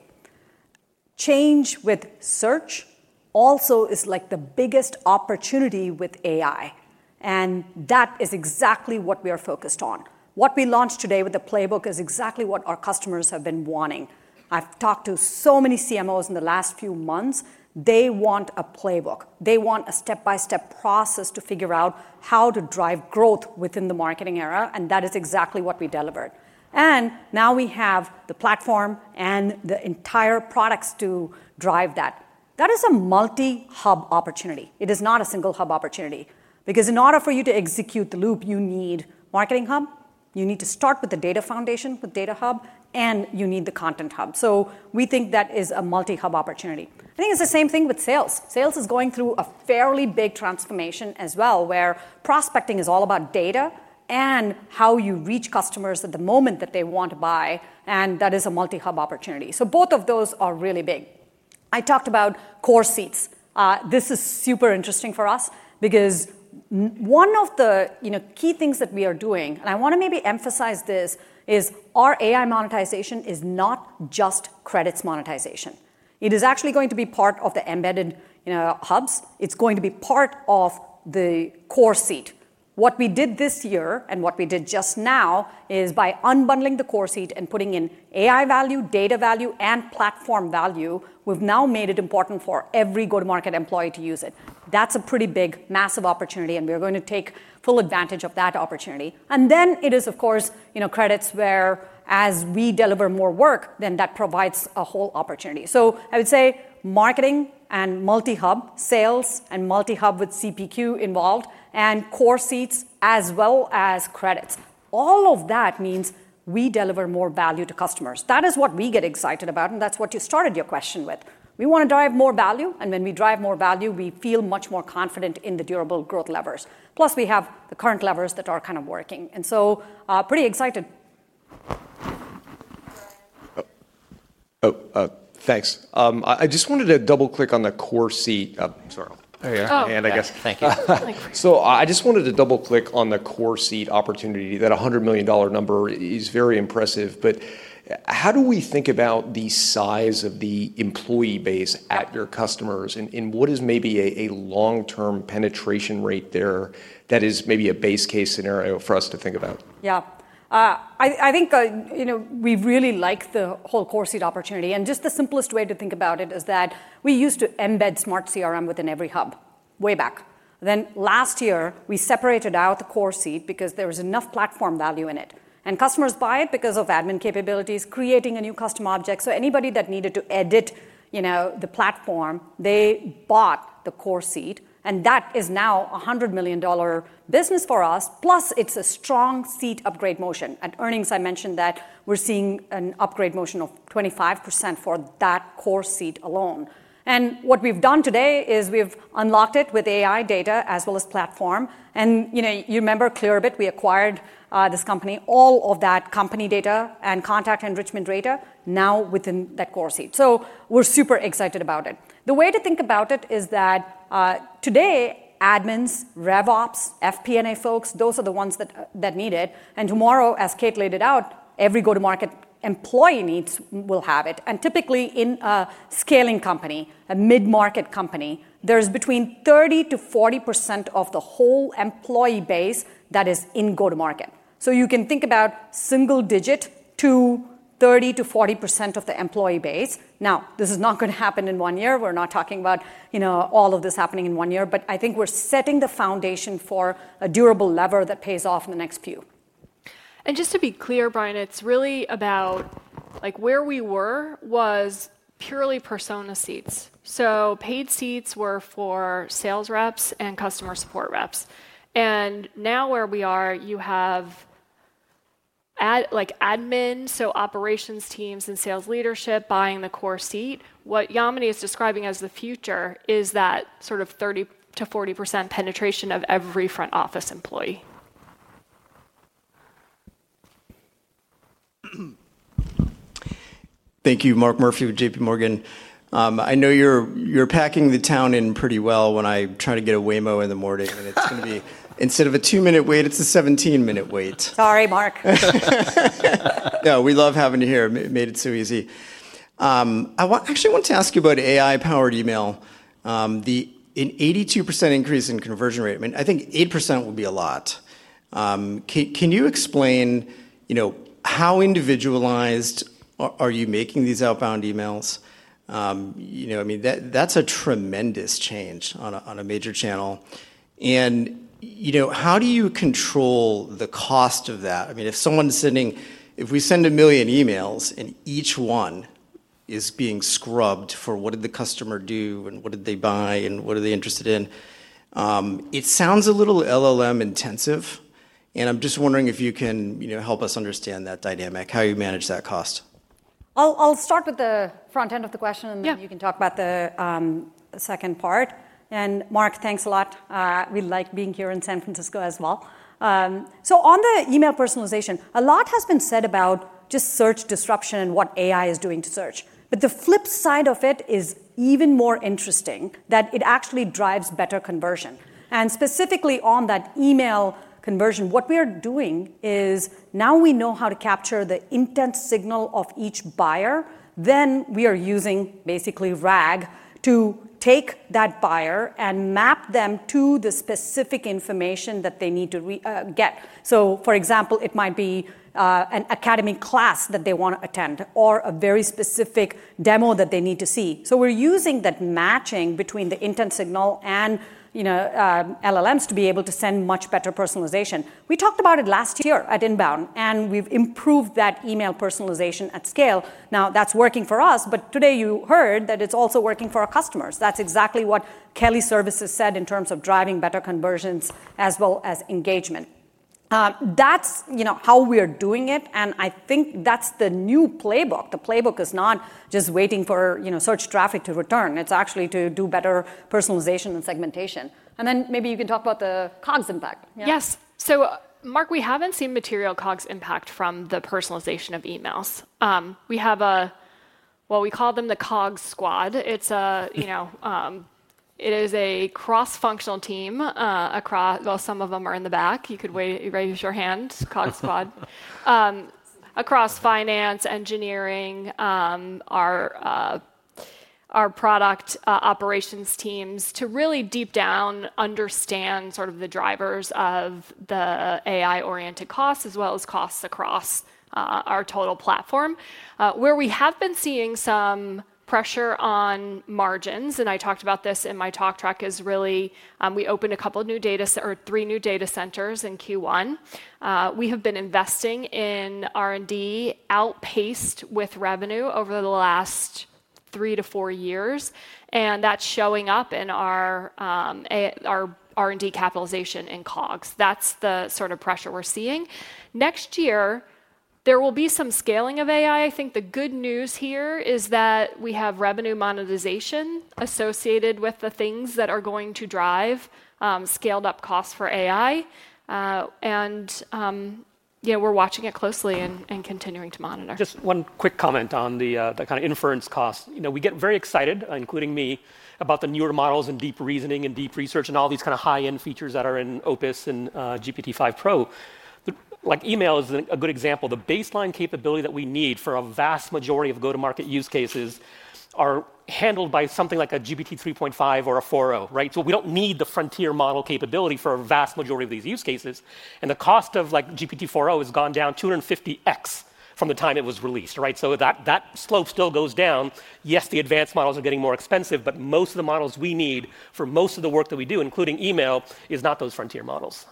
C: Change with search also is like the biggest opportunity with AI. And that is exactly what we are focused on. What we launched today with the playbook is exactly what our customers have been wanting. I've talked to so many CMOs in the last few months. They want a playbook. They want a step-by-step process to figure out how to drive growth within the marketing era. And that is exactly what we delivered. And now we have the platform and the entire products to drive that. That is a multi-hub opportunity. It is not a single-hub opportunity. Because in order for you to execute the Loop, you need a Marketing Hub. You need to start with the data foundation with Data Hub, and you need the Content Hub. So we think that is a multi-hub opportunity. I think it's the same thing with sales. Sales is going through a fairly big transformation as well, where prospecting is all about data and how you reach customers at the moment that they want to buy. And that is a multi-hub opportunity. So both of those are really big. I talked about Core Seats. This is super interesting for us because one of the key things that we are doing, and I want to maybe emphasize this, is our AI monetization is not just Credits monetization. It is actually going to be part of the embedded Hubs. It's going to be part of the Core Seat. What we did this year and what we did just now is by unbundling the Core Seat and putting in AI value, data value, and platform value, we've now made it important for every go-to-market employee to use it. That's a pretty big, massive opportunity, and we're going to take full advantage of that opportunity. And then it is, of course, credits where, as we deliver more work, then that provides a whole opportunity. So I would say marketing and multi-hub, sales and multi-hub with CPQ involved, and core seats as well as credits. All of that means we deliver more value to customers. That is what we get excited about, and that's what you started your question with. We want to drive more value, and when we drive more value, we feel much more confident in the durable growth levers. Plus, we have the current levers that are kind of working. And so pretty excited.
F: Thanks. I just wanted to double-click on the core seat. Sorry. There you are. And I guess. Thank you. So I just wanted to double-click on the Core Seat opportunity. That $100 million number is very impressive. But how do we think about the size of the employee base at your customers? And what is maybe a long-term penetration rate there that is maybe a base case scenario for us to think about?
C: Yeah. I think we really like the whole Core Seat opportunity. And just the simplest way to think about it is that we used to embed Smart CRM within every Hub way back. Then last year, we separated out the Core Seat because there was enough platform value in it. And customers buy it because of admin capabilities, creating a new customer object. So anybody that needed to edit the platform, they bought the Core Seat. And that is now a $100 million business for us. Plus, it's a strong seat upgrade motion. At earnings, I mentioned that we're seeing an upgrade motion of 25% for that core seat alone. And what we've done today is we've unlocked it with AI data as well as platform. And you remember Clearbit, we acquired this company, all of that company data and contact enrichment data now within that core seat. So we're super excited about it. The way to think about it is that today, admins, RevOps, FP&A folks, those are the ones that need it. And tomorrow, as Kate laid it out, every go-to-market employee needs will have it. And typically, in a scaling company, a mid-market company, there's between 30%-40% of the whole employee base that is in go-to-market. So you can think about single digit to 30%-40% of the employee base. Now, this is not going to happen in one year. We're not talking about all of this happening in one year. But I think we're setting the foundation for a durable lever that pays off in the next few.
D: And just to be clear, Brian, it's really about where we were was purely persona seats. So paid seats were for sales reps and customer support reps. And now where we are, you have admin, so operations teams and sales leadership buying the core seat. What Yamini is describing as the future is that sort of 30% to 40% penetration of every front office employee.
G: Thank you, Mark Murphy with JPMorgan. I know you're packing the town in pretty well when I try to get a Waymo in the morning. And it's going to be, instead of a two-minute wait, it's a 17-minute wait.
C: Sorry, Mark.
G: No, we love having you here. Made it so easy. I actually want to ask you about AI-powered email. The 82% increase in conversion rate, I mean, I think 8% would be a lot. Can you explain how individualized are you making these outbound emails? I mean, that's a tremendous change on a major channel. And how do you control the cost of that? I mean, if someone's sending, if we send a million emails and each one is being scrubbed for what did the customer do and what did they buy and what are they interested in, it sounds a little LLM intensive. And I'm just wondering if you can help us understand that dynamic, how you manage that cost.
C: I'll start with the front end of the question, and then you can talk about the second part. And Mark, thanks a lot. We like being here in San Francisco as well. So on the email personalization, a lot has been said about just search disruption and what AI is doing to search. But the flip side of it is even more interesting that it actually drives better conversion. And specifically on that email conversion, what we are doing is now we know how to capture the intent signal of each buyer. Then we are using basically RAG to take that buyer and map them to the specific information that they need to get. So for example, it might be an academy class that they want to attend or a very specific demo that they need to see. So we're using that matching between the intent signal and LLMs to be able to send much better personalization. We talked about it last year at INBOUND, and we've improved that email personalization at scale. Now, that's working for us, but today you heard that it's also working for our customers. That's exactly what Kelly Services said in terms of driving better conversions as well as engagement. That's how we are doing it, and I think that's the new playbook. The playbook is not just waiting for search traffic to return. It's actually to do better personalization and segmentation, and then maybe you can talk about the COGS impact.
D: Yes, so Mark, we haven't seen material COGS impact from the personalization of emails. We have a, well, we call them the COGS squad. It is a cross-functional team across, well, some of them are in the back. You could raise your hand, COGS squad. Across finance, engineering, our product operations teams to really deep down understand sort of the drivers of the AI-oriented costs as well as costs across our total platform. Where we have been seeing some pressure on margins, and I talked about this in my talk track, is really we opened a couple or three new data centers in Q1. We have been investing in R&D outpaced with revenue over the last three to four years. And that's showing up in our R&D capitalization in COGS. That's the sort of pressure we're seeing. Next year, there will be some scaling of AI. I think the good news here is that we have revenue monetization associated with the things that are going to drive scaled-up costs for AI. And we're watching it closely and continuing to monitor.
H: Just one quick comment on the kind of inference cost. We get very excited, including me, about the newer models and deep reasoning and deep research and all these kind of high-end features that are in Opus and GPT-5 Pro. Email is a good example. The baseline capability that we need for a vast majority of go-to-market use cases are handled by something like a GPT-3.5 or a 4.0, right? So we don't need the frontier model capability for a vast majority of these use cases. And the cost of GPT-4.0 has gone down 250x from the time it was released, right? So that slope still goes down. Yes, the advanced models are getting more expensive, but most of the models we need for most of the work that we do, including email, is not those frontier models.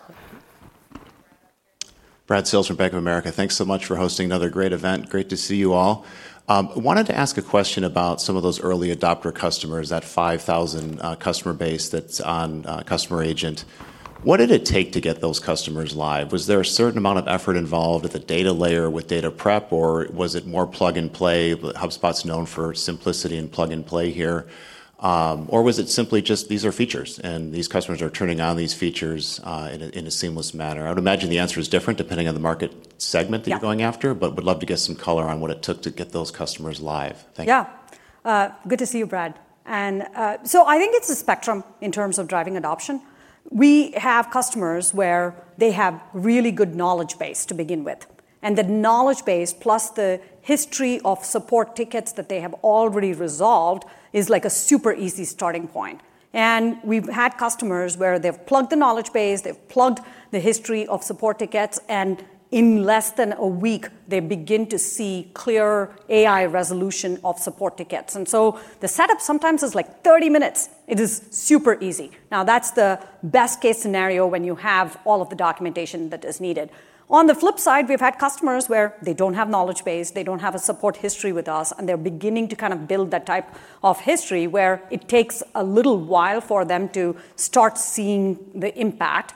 I: Brad Sills from Bank of America. Thanks so much for hosting another great event. Great to see you all. I wanted to ask a question about some of those early adopter customers, that 5,000 customer base that's on Customer Agent. What did it take to get those customers live? Was there a certain amount of effort involved at the data layer with data prep, or was it more plug and play? HubSpot's known for simplicity and plug and play here. Or was it simply just, these are features, and these customers are turning on these features in a seamless manner? I would imagine the answer is different depending on the market segment that you're going after, but would love to get some color on what it took to get those customers live. Thank you.
C: Yeah. Good to see you, Brad. And so I think it's a spectrum in terms of driving adoption. We have customers where they have really good knowledge base to begin with. And the knowledge base, plus the history of support tickets that they have already resolved, is like a super easy starting point. We've had customers where they've plugged the knowledge base, they've plugged the history of support tickets, and in less than a week, they begin to see clear AI resolution of support tickets. The setup sometimes is like 30 minutes. It is super easy. Now, that's the best-case scenario when you have all of the documentation that is needed. On the flip side, we've had customers where they don't have knowledge base, they don't have a support history with us, and they're beginning to kind of build that type of history where it takes a little while for them to start seeing the impact.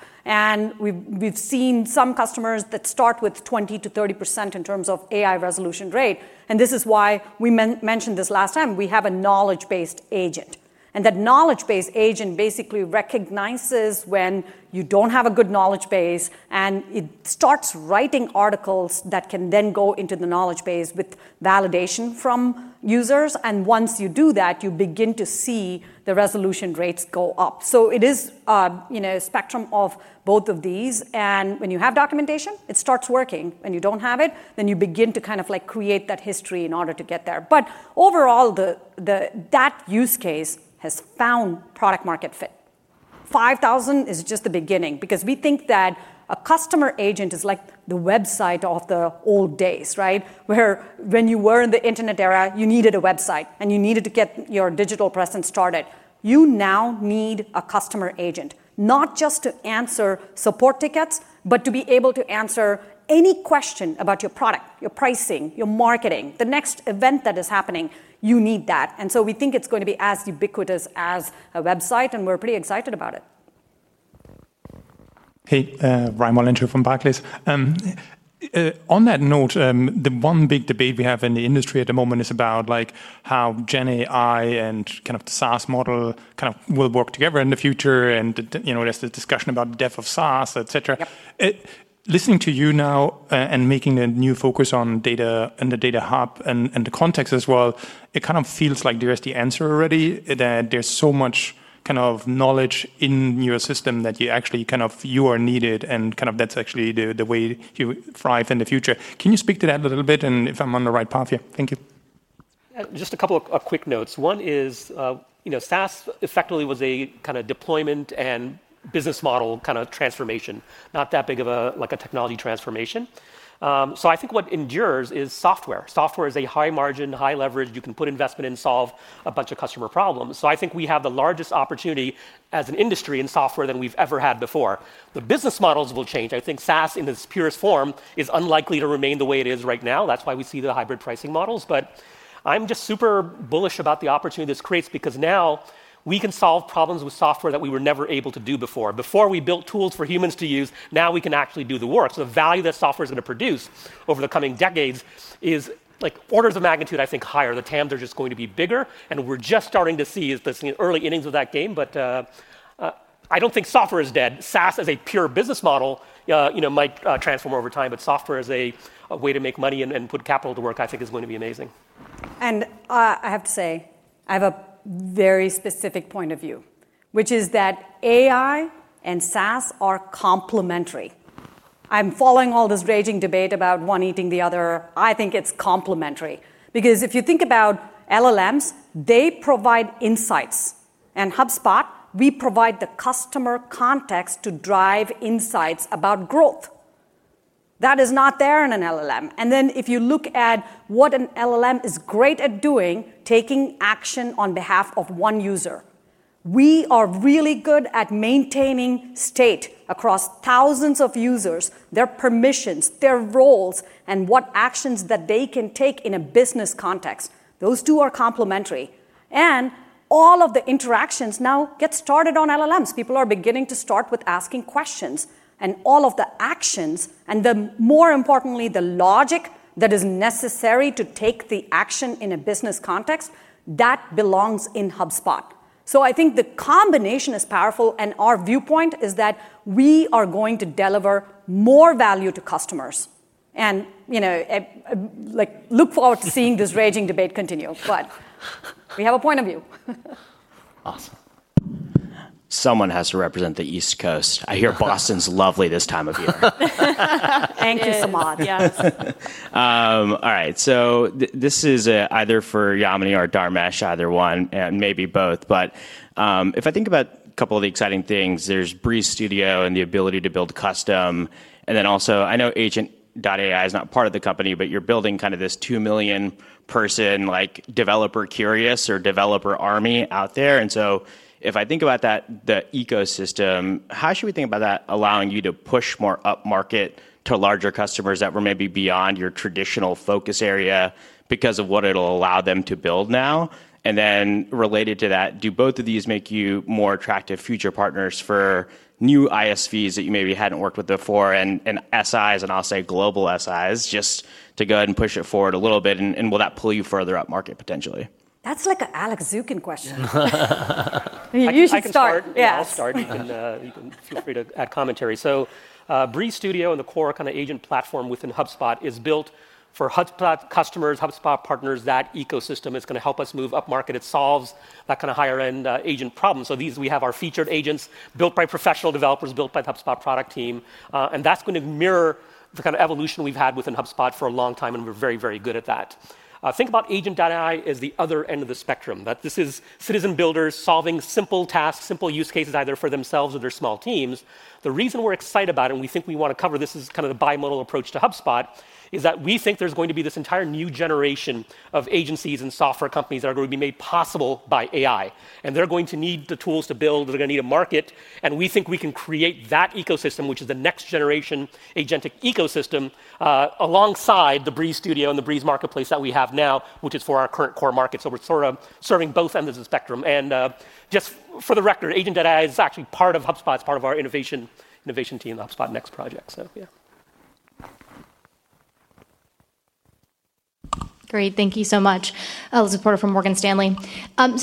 C: We've seen some customers that start with 20%-30% in terms of AI resolution rate. This is why we mentioned this last time. We have a knowledge-based agent. That knowledge-based agent basically recognizes when you don't have a good knowledge base, and it starts writing articles that can then go into the knowledge base with validation from users. Once you do that, you begin to see the resolution rates go up. It is a spectrum of both of these. When you have documentation, it starts working. When you don't have it, then you begin to kind of create that history in order to get there. Overall, that use case has found product-market fit. 5,000 is just the beginning because we think that a customer agent is like the website of the old days, right? Where when you were in the internet era, you needed a website, and you needed to get your digital presence started. You now need a customer agent, not just to answer support tickets, but to be able to answer any question about your product, your pricing, your marketing, the next event that is happening. You need that. And so we think it's going to be as ubiquitous as a website, and we're pretty excited about it.
J: Hey, Raimo Lenschow from Barclays. On that note, the one big debate we have in the industry at the moment is about how GenAI and kind of the SaaS model kind of will work together in the future. And there's the discussion about the death of SaaS, etc. Listening to you now and making a new focus on data and the Data Hub and the context as well, it kind of feels like there is the answer already that there's so much kind of knowledge in your system that you actually kind of you are needed. And kind of that's actually the way you thrive in the future. Can you speak to that a little bit? And if I'm on the right path here, thank you.
H: Just a couple of quick notes. One is SaaS effectively was a kind of deployment and business model kind of transformation, not that big of a technology transformation. So I think what endures is software. Software is a high margin, high leverage. You can put investment and solve a bunch of customer problems. So I think we have the largest opportunity as an industry in software than we've ever had before. The business models will change. I think SaaS in its purest form is unlikely to remain the way it is right now. That's why we see the hybrid pricing models. But I'm just super bullish about the opportunity this creates because now we can solve problems with software that we were never able to do before. Before we built tools for humans to use, now we can actually do the work, so the value that software is going to produce over the coming decades is orders of magnitude, I think, higher. The TAMs are just going to be bigger, and we're just starting to see it's the early innings of that game, but I don't think software is dead. SaaS as a pure business model might transform over time, but software as a way to make money and put capital to work, I think, is going to be amazing.
C: And I have to say, I have a very specific point of view, which is that AI and SaaS are complementary. I'm following all this raging debate about one eating the other. I think it's complementary because if you think about LLMs, they provide insights. And HubSpot, we provide the customer context to drive insights about growth. That is not there in an LLM. And then if you look at what an LLM is great at doing, taking action on behalf of one user, we are really good at maintaining state across thousands of users, their permissions, their roles, and what actions that they can take in a business context. Those two are complementary. And all of the interactions now get started on LLMs. People are beginning to start with asking questions. And all of the actions and, more importantly, the logic that is necessary to take the action in a business context, that belongs in HubSpot. So I think the combination is powerful. And our viewpoint is that we are going to deliver more value to customers. And look forward to seeing this raging debate continue. But we have a point of view.
K: Awesome. Someone has to represent the East Coast. I hear Boston's lovely this time of year.
C: Thank you, Samad. Yes.
K: All right. So this is either for Yamini or Dharmesh, either one, and maybe both. But if I think about a couple of the exciting things, there's Breeze Studio and the ability to build custom. And then also, I know Agent.ai is not part of the company, but you're building kind of this two million person developer curious or developer army out there. If I think about that, the ecosystem, how should we think about that allowing you to push more up market to larger customers that were maybe beyond your traditional focus area because of what it'll allow them to build now? Related to that, do both of these make you more attractive future partners for new ISVs that you maybe hadn't worked with before and SIs, and I'll say global SIs, just to go ahead and push it forward a little bit? Will that pull you further up market potentially?
C: That's like an Alex Zukin question. You should start.
H: Yeah, I'll start. You can feel free to add commentary. Breeze Studio and the core kind of agent platform within HubSpot is built for HubSpot customers, HubSpot partners. That ecosystem is going to help us move up market. It solves that kind of higher-end agent problem. So we have our featured agents built by professional developers, built by the HubSpot product team. And that's going to mirror the kind of evolution we've had within HubSpot for a long time. And we're very, very good at that. Think about Agent.ai as the other end of the spectrum. This is citizen builders solving simple tasks, simple use cases, either for themselves or their small teams. The reason we're excited about it, and we think we want to cover this as kind of the bimodal approach to HubSpot, is that we think there's going to be this entire new generation of agencies and software companies that are going to be made possible by AI. And they're going to need the tools to build. They're going to need a market. We think we can create that ecosystem, which is the next-generation agentic ecosystem, alongside the Breeze Studio and the Breeze Marketplace that we have now, which is for our current core market. We're sort of serving both ends of the spectrum. Just for the record, Agent.ai is actually part of HubSpot, part of our innovation team, the HubSpot Next project. Yeah.
L: Great. Thank you so much. Elizabeth Porter from Morgan Stanley.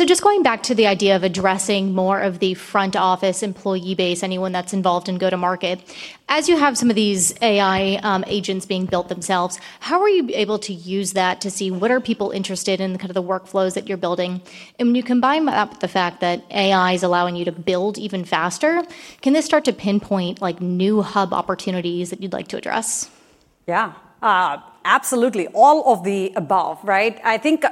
L: Just going back to the idea of addressing more of the front office employee base, anyone that's involved in go-to-market. As you have some of these AI agents being built themselves, how are you able to use that to see what are people interested in, the kind of the workflows that you're building? And when you combine that with the fact that AI is allowing you to build even faster, can this start to pinpoint new hub opportunities that you'd like to address?
C: Yeah. Absolutely. All of the above, right? I think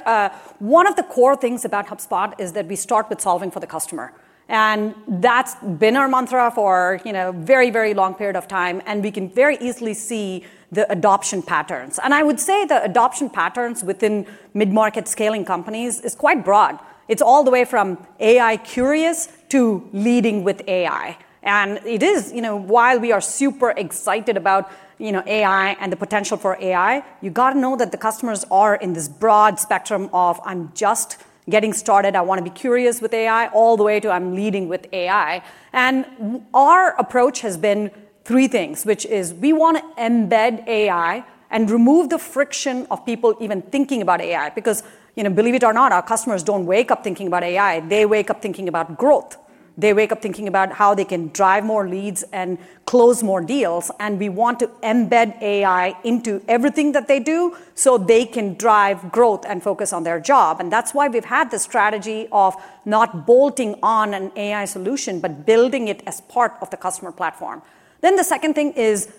C: one of the core things about HubSpot is that we start with solving for the customer. And that's been our mantra for a very, very long period of time. And we can very easily see the adoption patterns. And I would say the adoption patterns within mid-market scaling companies is quite broad. It's all the way from AI curious to leading with AI. And it is, while we are super excited about AI and the potential for AI, you've got to know that the customers are in this broad spectrum of, "I'm just getting started. I want to be curious with AI," all the way to, "I'm leading with AI." And our approach has been three things, which is we want to embed AI and remove the friction of people even thinking about AI. Because believe it or not, our customers don't wake up thinking about AI. They wake up thinking about growth. They wake up thinking about how they can drive more leads and close more deals. And we want to embed AI into everything that they do so they can drive growth and focus on their job. And that's why we've had the strategy of not bolting on an AI solution, but building it as part of the customer platform. Then the second thing is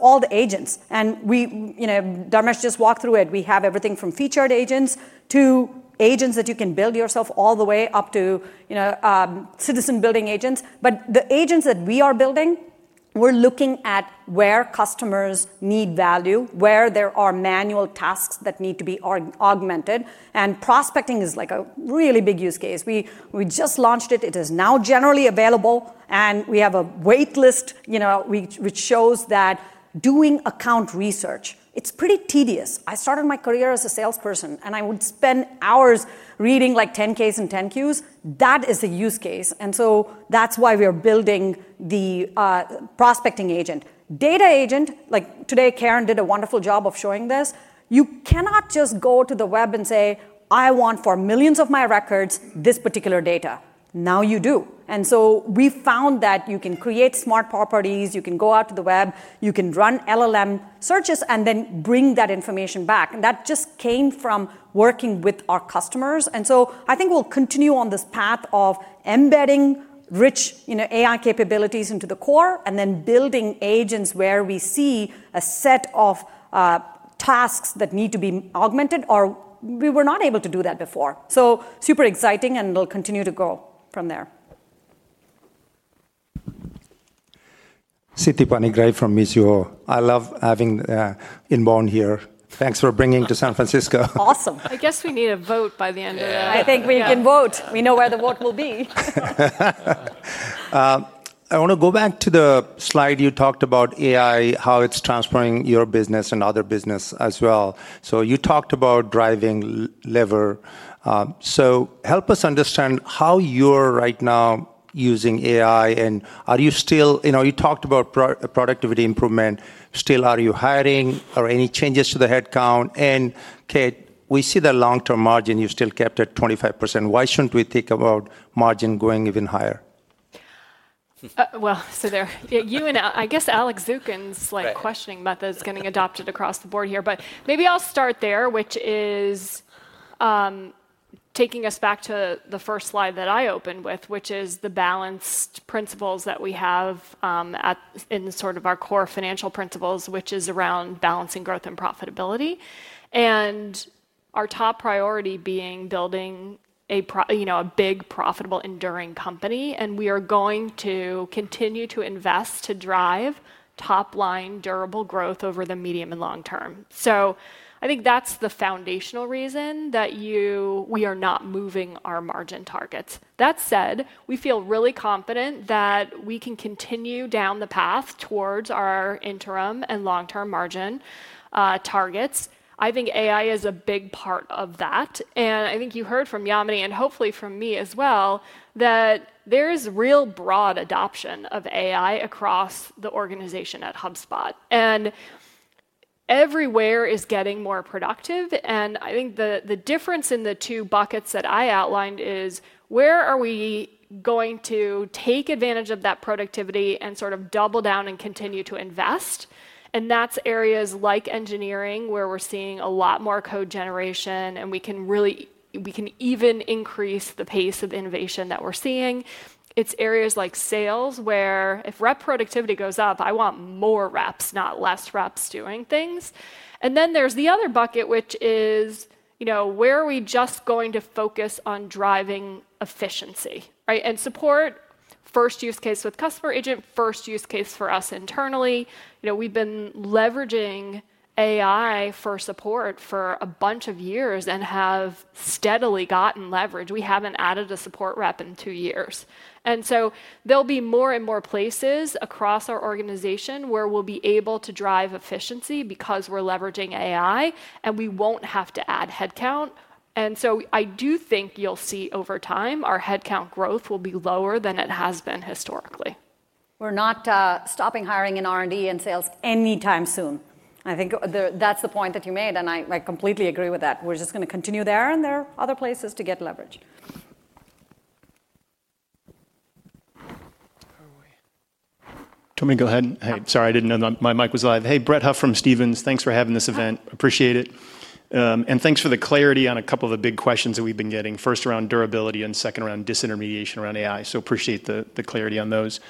C: all the agents. And Dharmesh just walked through it. We have everything from featured agents to agents that you can build yourself, all the way up to citizen building agents. But the agents that we are building, we're looking at where customers need value, where there are manual tasks that need to be augmented. And prospecting is like a really big use case. We just launched it. It is now generally available. And we have a waitlist, which shows that doing account research, it's pretty tedious. I started my career as a salesperson, and I would spend hours reading like 10-Ks and 10-Qs. That is a use case. And so that's why we are building the prospecting agent. Data agent, like today, Karen did a wonderful job of showing this. You cannot just go to the web and say, "I want for millions of my records this particular data." Now you do. And so we found that you can create smart properties. You can go out to the web. You can run LLM searches and then bring that information back. And that just came from working with our customers. And so I think we'll continue on this path of embedding rich AI capabilities into the core and then building agents where we see a set of tasks that need to be augmented, or we were not able to do that before. So super exciting, and it'll continue to go from there.
M: Siti Panigrahi from Mizuho. I love having INBOUND here. Thanks for bringing to San Francisco. Awesome. I guess we need a vote by the end of the night. I think we can vote. We know where the vote will be. I want to go back to the slide you talked about AI, how it's transforming your business and other business as well. So, you talked about driving lever. So, help us understand how you are right now using AI. And are you still you talked about productivity improvement. Still, are you hiring? Are any changes to the headcount? And Kate, we see the long-term margin you still kept at 25%. Why shouldn't we think about margin going even higher?
D: Well, so you and I guess Alex Zukin's questioning method is getting adopted across the board here. But maybe I'll start there, which is taking us back to the first slide that I opened with, which is the balanced principles that we have in sort of our core financial principles, which is around balancing growth and profitability. And our top priority being building a big, profitable, enduring company. And we are going to continue to invest to drive top-line durable growth over the medium and long term. So I think that's the foundational reason that we are not moving our margin targets. That said, we feel really confident that we can continue down the path towards our interim and long-term margin targets. I think AI is a big part of that. And I think you heard from Yamini and hopefully from me as well that there is real broad adoption of AI across the organization at HubSpot. And everywhere is getting more productive. And I think the difference in the two buckets that I outlined is where are we going to take advantage of that productivity and sort of double down and continue to invest? And that's areas like engineering where we're seeing a lot more code generation. And we can even increase the pace of innovation that we're seeing. It's areas like sales where if rep productivity goes up, I want more reps, not less reps doing things. Then there's the other bucket, which is where are we just going to focus on driving efficiency and support. First use case with customer agent, first use case for us internally. We've been leveraging AI for support for a bunch of years and have steadily gotten leverage. We haven't added a support rep in two years. So there'll be more and more places across our organization where we'll be able to drive efficiency because we're leveraging AI, and we won't have to add headcount. So I do think you'll see over time our headcount growth will be lower than it has been historically.
C: We're not stopping hiring in R&D and sales anytime soon. I think that's the point that you made. I completely agree with that. We're just going to continue there. And there are other places to get leverage.
N: Tell me to go ahead. Hey, sorry, I didn't know my mic was live. Hey, Brett Huff from Stephens. Thanks for having this event. Appreciate it. And thanks for the clarity on a couple of the big questions that we've been getting. First around durability and second around disintermediation around AI. So appreciate the clarity on those.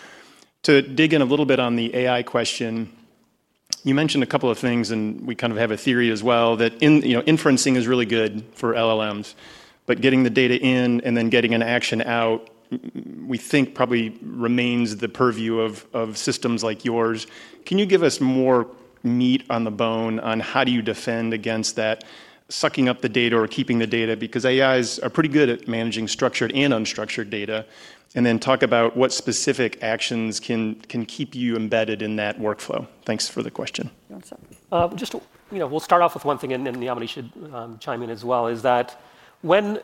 N: To dig in a little bit on the AI question, you mentioned a couple of things. And we kind of have a theory as well that inferencing is really good for LLMs. But getting the data in and then getting an action out, we think probably remains the purview of systems like yours. Can you give us more meat on the bone on how do you defend against that sucking up the data or keeping the data? Because AIs are pretty good at managing structured and unstructured data. And then talk about what specific actions can keep you embedded in that workflow. Thanks for the question.
H: Just we'll start off with one thing. And then Yamini should chime in as well. Is that when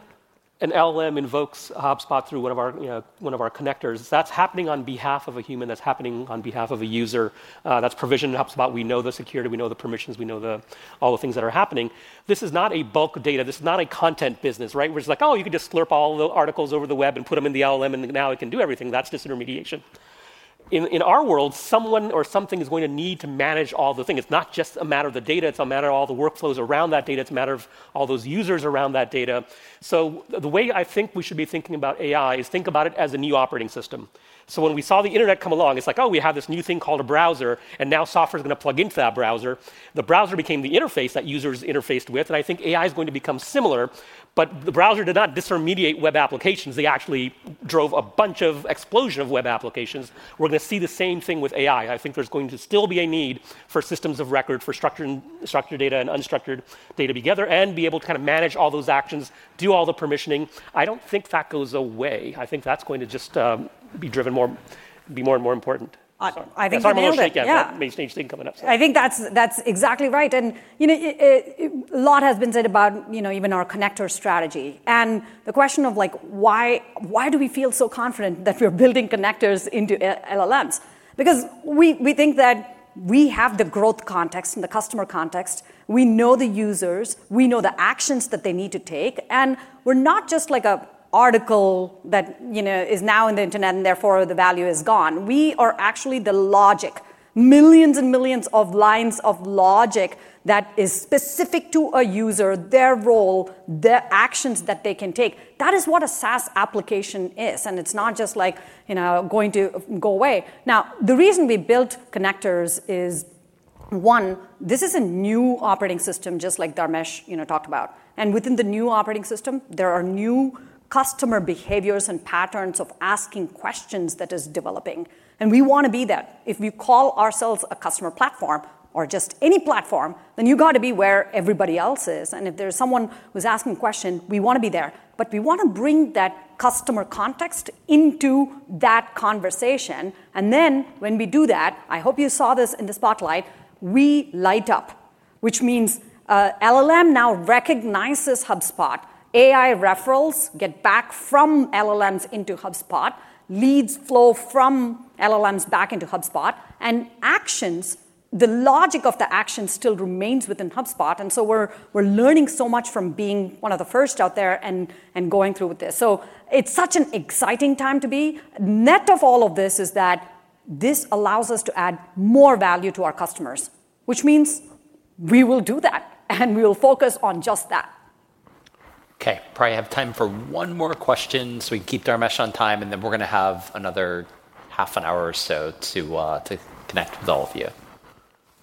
H: an LLM invokes HubSpot through one of our connectors, that's happening on behalf of a human. That's happening on behalf of a user. That's provisioned in HubSpot. We know the security. We know the permissions. We know all the things that are happening. This is not a bulk data. This is not a content business, right? Where it's like, oh, you can just slurp all the articles over the web and put them in the LLM. And now it can do everything. That's disintermediation. In our world, someone or something is going to need to manage all the things. It's not just a matter of the data. It's a matter of all the workflows around that data. It's a matter of all those users around that data. So the way I think we should be thinking about AI is think about it as a new operating system. So when we saw the internet come along, it's like, oh, we have this new thing called a browser. And now software is going to plug into that browser. The browser became the interface that users interfaced with. And I think AI is going to become similar. But the browser did not disintermediate web applications. They actually drove a bunch of explosion of web applications. We're going to see the same thing with AI. I think there's going to still be a need for systems of record for structured data and unstructured data together and be able to kind of manage all those actions, do all the permissioning. I don't think that goes away. I think that's going to just be driven more and more important. I think that's a major change coming up.
C: I think that's exactly right. And a lot has been said about even our connector strategy. And the question of why do we feel so confident that we're building connectors into LLMs? Because we think that we have the growth context and the customer context. We know the users. We know the actions that they need to take. And we're not just like an article that is now on the internet and therefore the value is gone. We are actually the logic, millions and millions of lines of logic that is specific to a user, their role, the actions that they can take. That is what a SaaS application is, and it's not just like going to go away. Now, the reason we built connectors is, one, this is a new operating system just like Dharmesh talked about, and within the new operating system, there are new customer behaviors and patterns of asking questions that are developing. We want to be there. If we call ourselves a customer platform or just any platform, then you've got to be where everybody else is, and if there's someone who's asking a question, we want to be there. We want to bring that customer context into that conversation. And then when we do that, I hope you saw this in the spotlight. We light up, which means LLM now recognizes HubSpot. AI referrals get back from LLMs into HubSpot. Leads flow from LLMs back into HubSpot. And actions, the logic of the action still remains within HubSpot. And so we're learning so much from being one of the first out there and going through with this. So it's such an exciting time to be. Net of all of this is that this allows us to add more value to our customers, which means we will do that. And we will focus on just that.
A: OK. Probably have time for one more question so we can keep Dharmesh on time. And then we're going to have another half an hour or so to connect with all of you.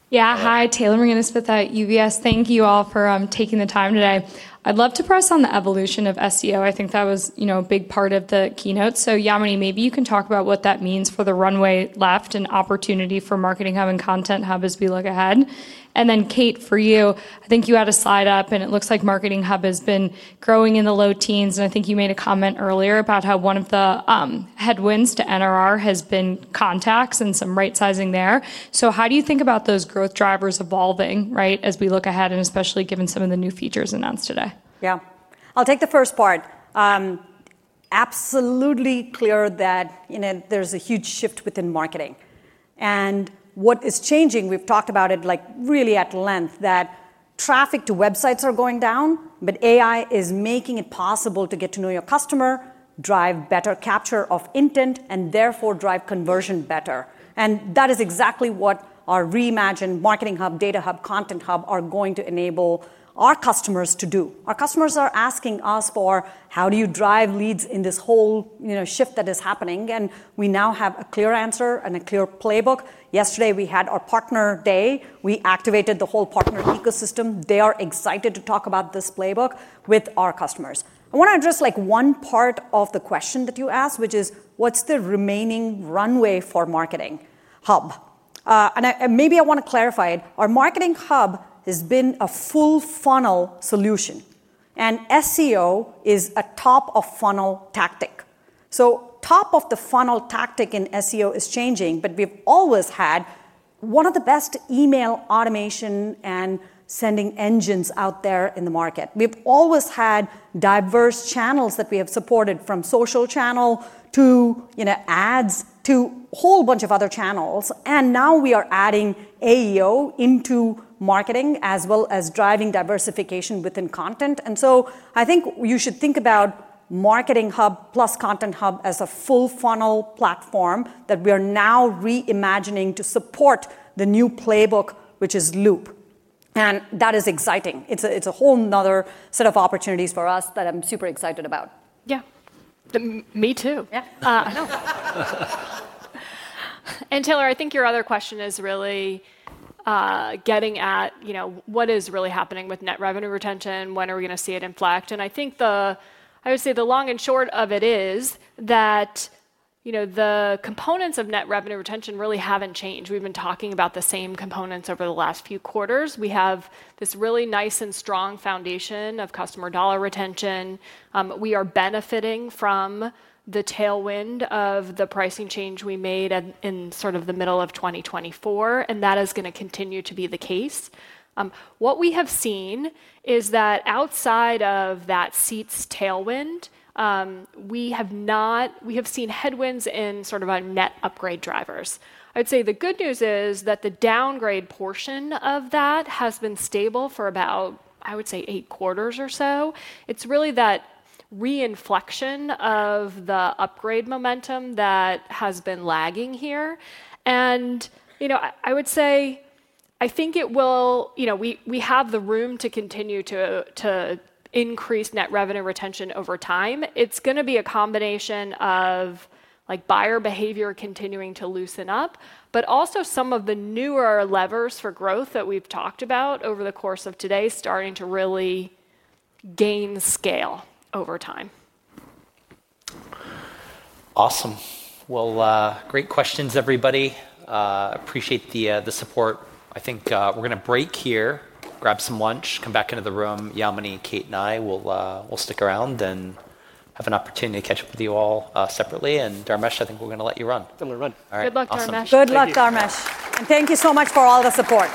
O: Yeah. Hi, Taylor McGinnis with UBS. Thank you all for taking the time today. I'd love to press on the evolution of SEO. I think that was a big part of the keynote. So Yamini, maybe you can talk about what that means for the runway left and opportunity for Marketing Hub and Content Hub as we look ahead. And then Kate, for you. I think you had a slide up. And it looks like Marketing Hub has been growing in the low teens. And I think you made a comment earlier about how one of the headwinds to NRR has been contacts and some right-sizing there. So how do you think about those growth drivers evolving as we look ahead and especially given some of the new features announced today?
C: Yeah. I'll take the first part. Absolutely clear that there's a huge shift within marketing. What is changing? We've talked about it really at length: traffic to websites is going down. But AI is making it possible to get to know your customer, drive better capture of intent, and therefore drive conversion better. That is exactly what our reimagined Marketing Hub, Data Hub, Content Hub are going to enable our customers to do. Our customers are asking us for how do you drive leads in this whole shift that is happening. We now have a clear answer and a clear playbook. Yesterday, we had our partner day. We activated the whole partner ecosystem. They are excited to talk about this playbook with our customers. I want to address one part of the question that you asked, which is, what's the remaining runway for Marketing Hub? Maybe I want to clarify it. Our Marketing Hub has been a full funnel solution. And SEO is a top-of-funnel tactic. So top-of-the-funnel tactic in SEO is changing. But we've always had one of the best email automation and sending engines out there in the market. We've always had diverse channels that we have supported from social channel to ads to a whole bunch of other channels. And now we are adding AEO into marketing as well as driving diversification within content. And so I think you should think about Marketing Hub plus Content Hub as a full funnel platform that we are now reimagining to support the new playbook, which is Loop. And that is exciting. It's a whole nother set of opportunities for us that I'm super excited about.
D: Yeah. Me too.
C: Yeah.
D: And Taylor, I think your other question is really getting at what is really happening with net revenue retention. When are we going to see it inflect? I think the, I would say the long and short of it is that the components of net revenue retention really haven't changed. We've been talking about the same components over the last few quarters. We have this really nice and strong foundation of customer dollar retention. We are benefiting from the tailwind of the pricing change we made in sort of the middle of 2024. That is going to continue to be the case. What we have seen is that outside of that seats tailwind, we have seen headwinds in sort of our net upgrade drivers. I would say the good news is that the downgrade portion of that has been stable for about, I would say, eight quarters or so. It's really that reinflection of the upgrade momentum that has been lagging here. And I would say, I think it will, we have the room to continue to increase net revenue retention over time. It's going to be a combination of buyer behavior continuing to loosen up, but also some of the newer levers for growth that we've talked about over the course of today starting to really gain scale over time.
A: Awesome. Well, great questions, everybody. Appreciate the support. I think we're going to break here, grab some lunch, come back into the room. Yamini, Kate, and I will stick around and have an opportunity to catch up with you all separately. And Dharmesh, I think we're going to let you run.
H: I'm going to run.
C: Good luck, Dharmesh.
D: Good luck, Dharmesh.
C: And thank you so much for all the support.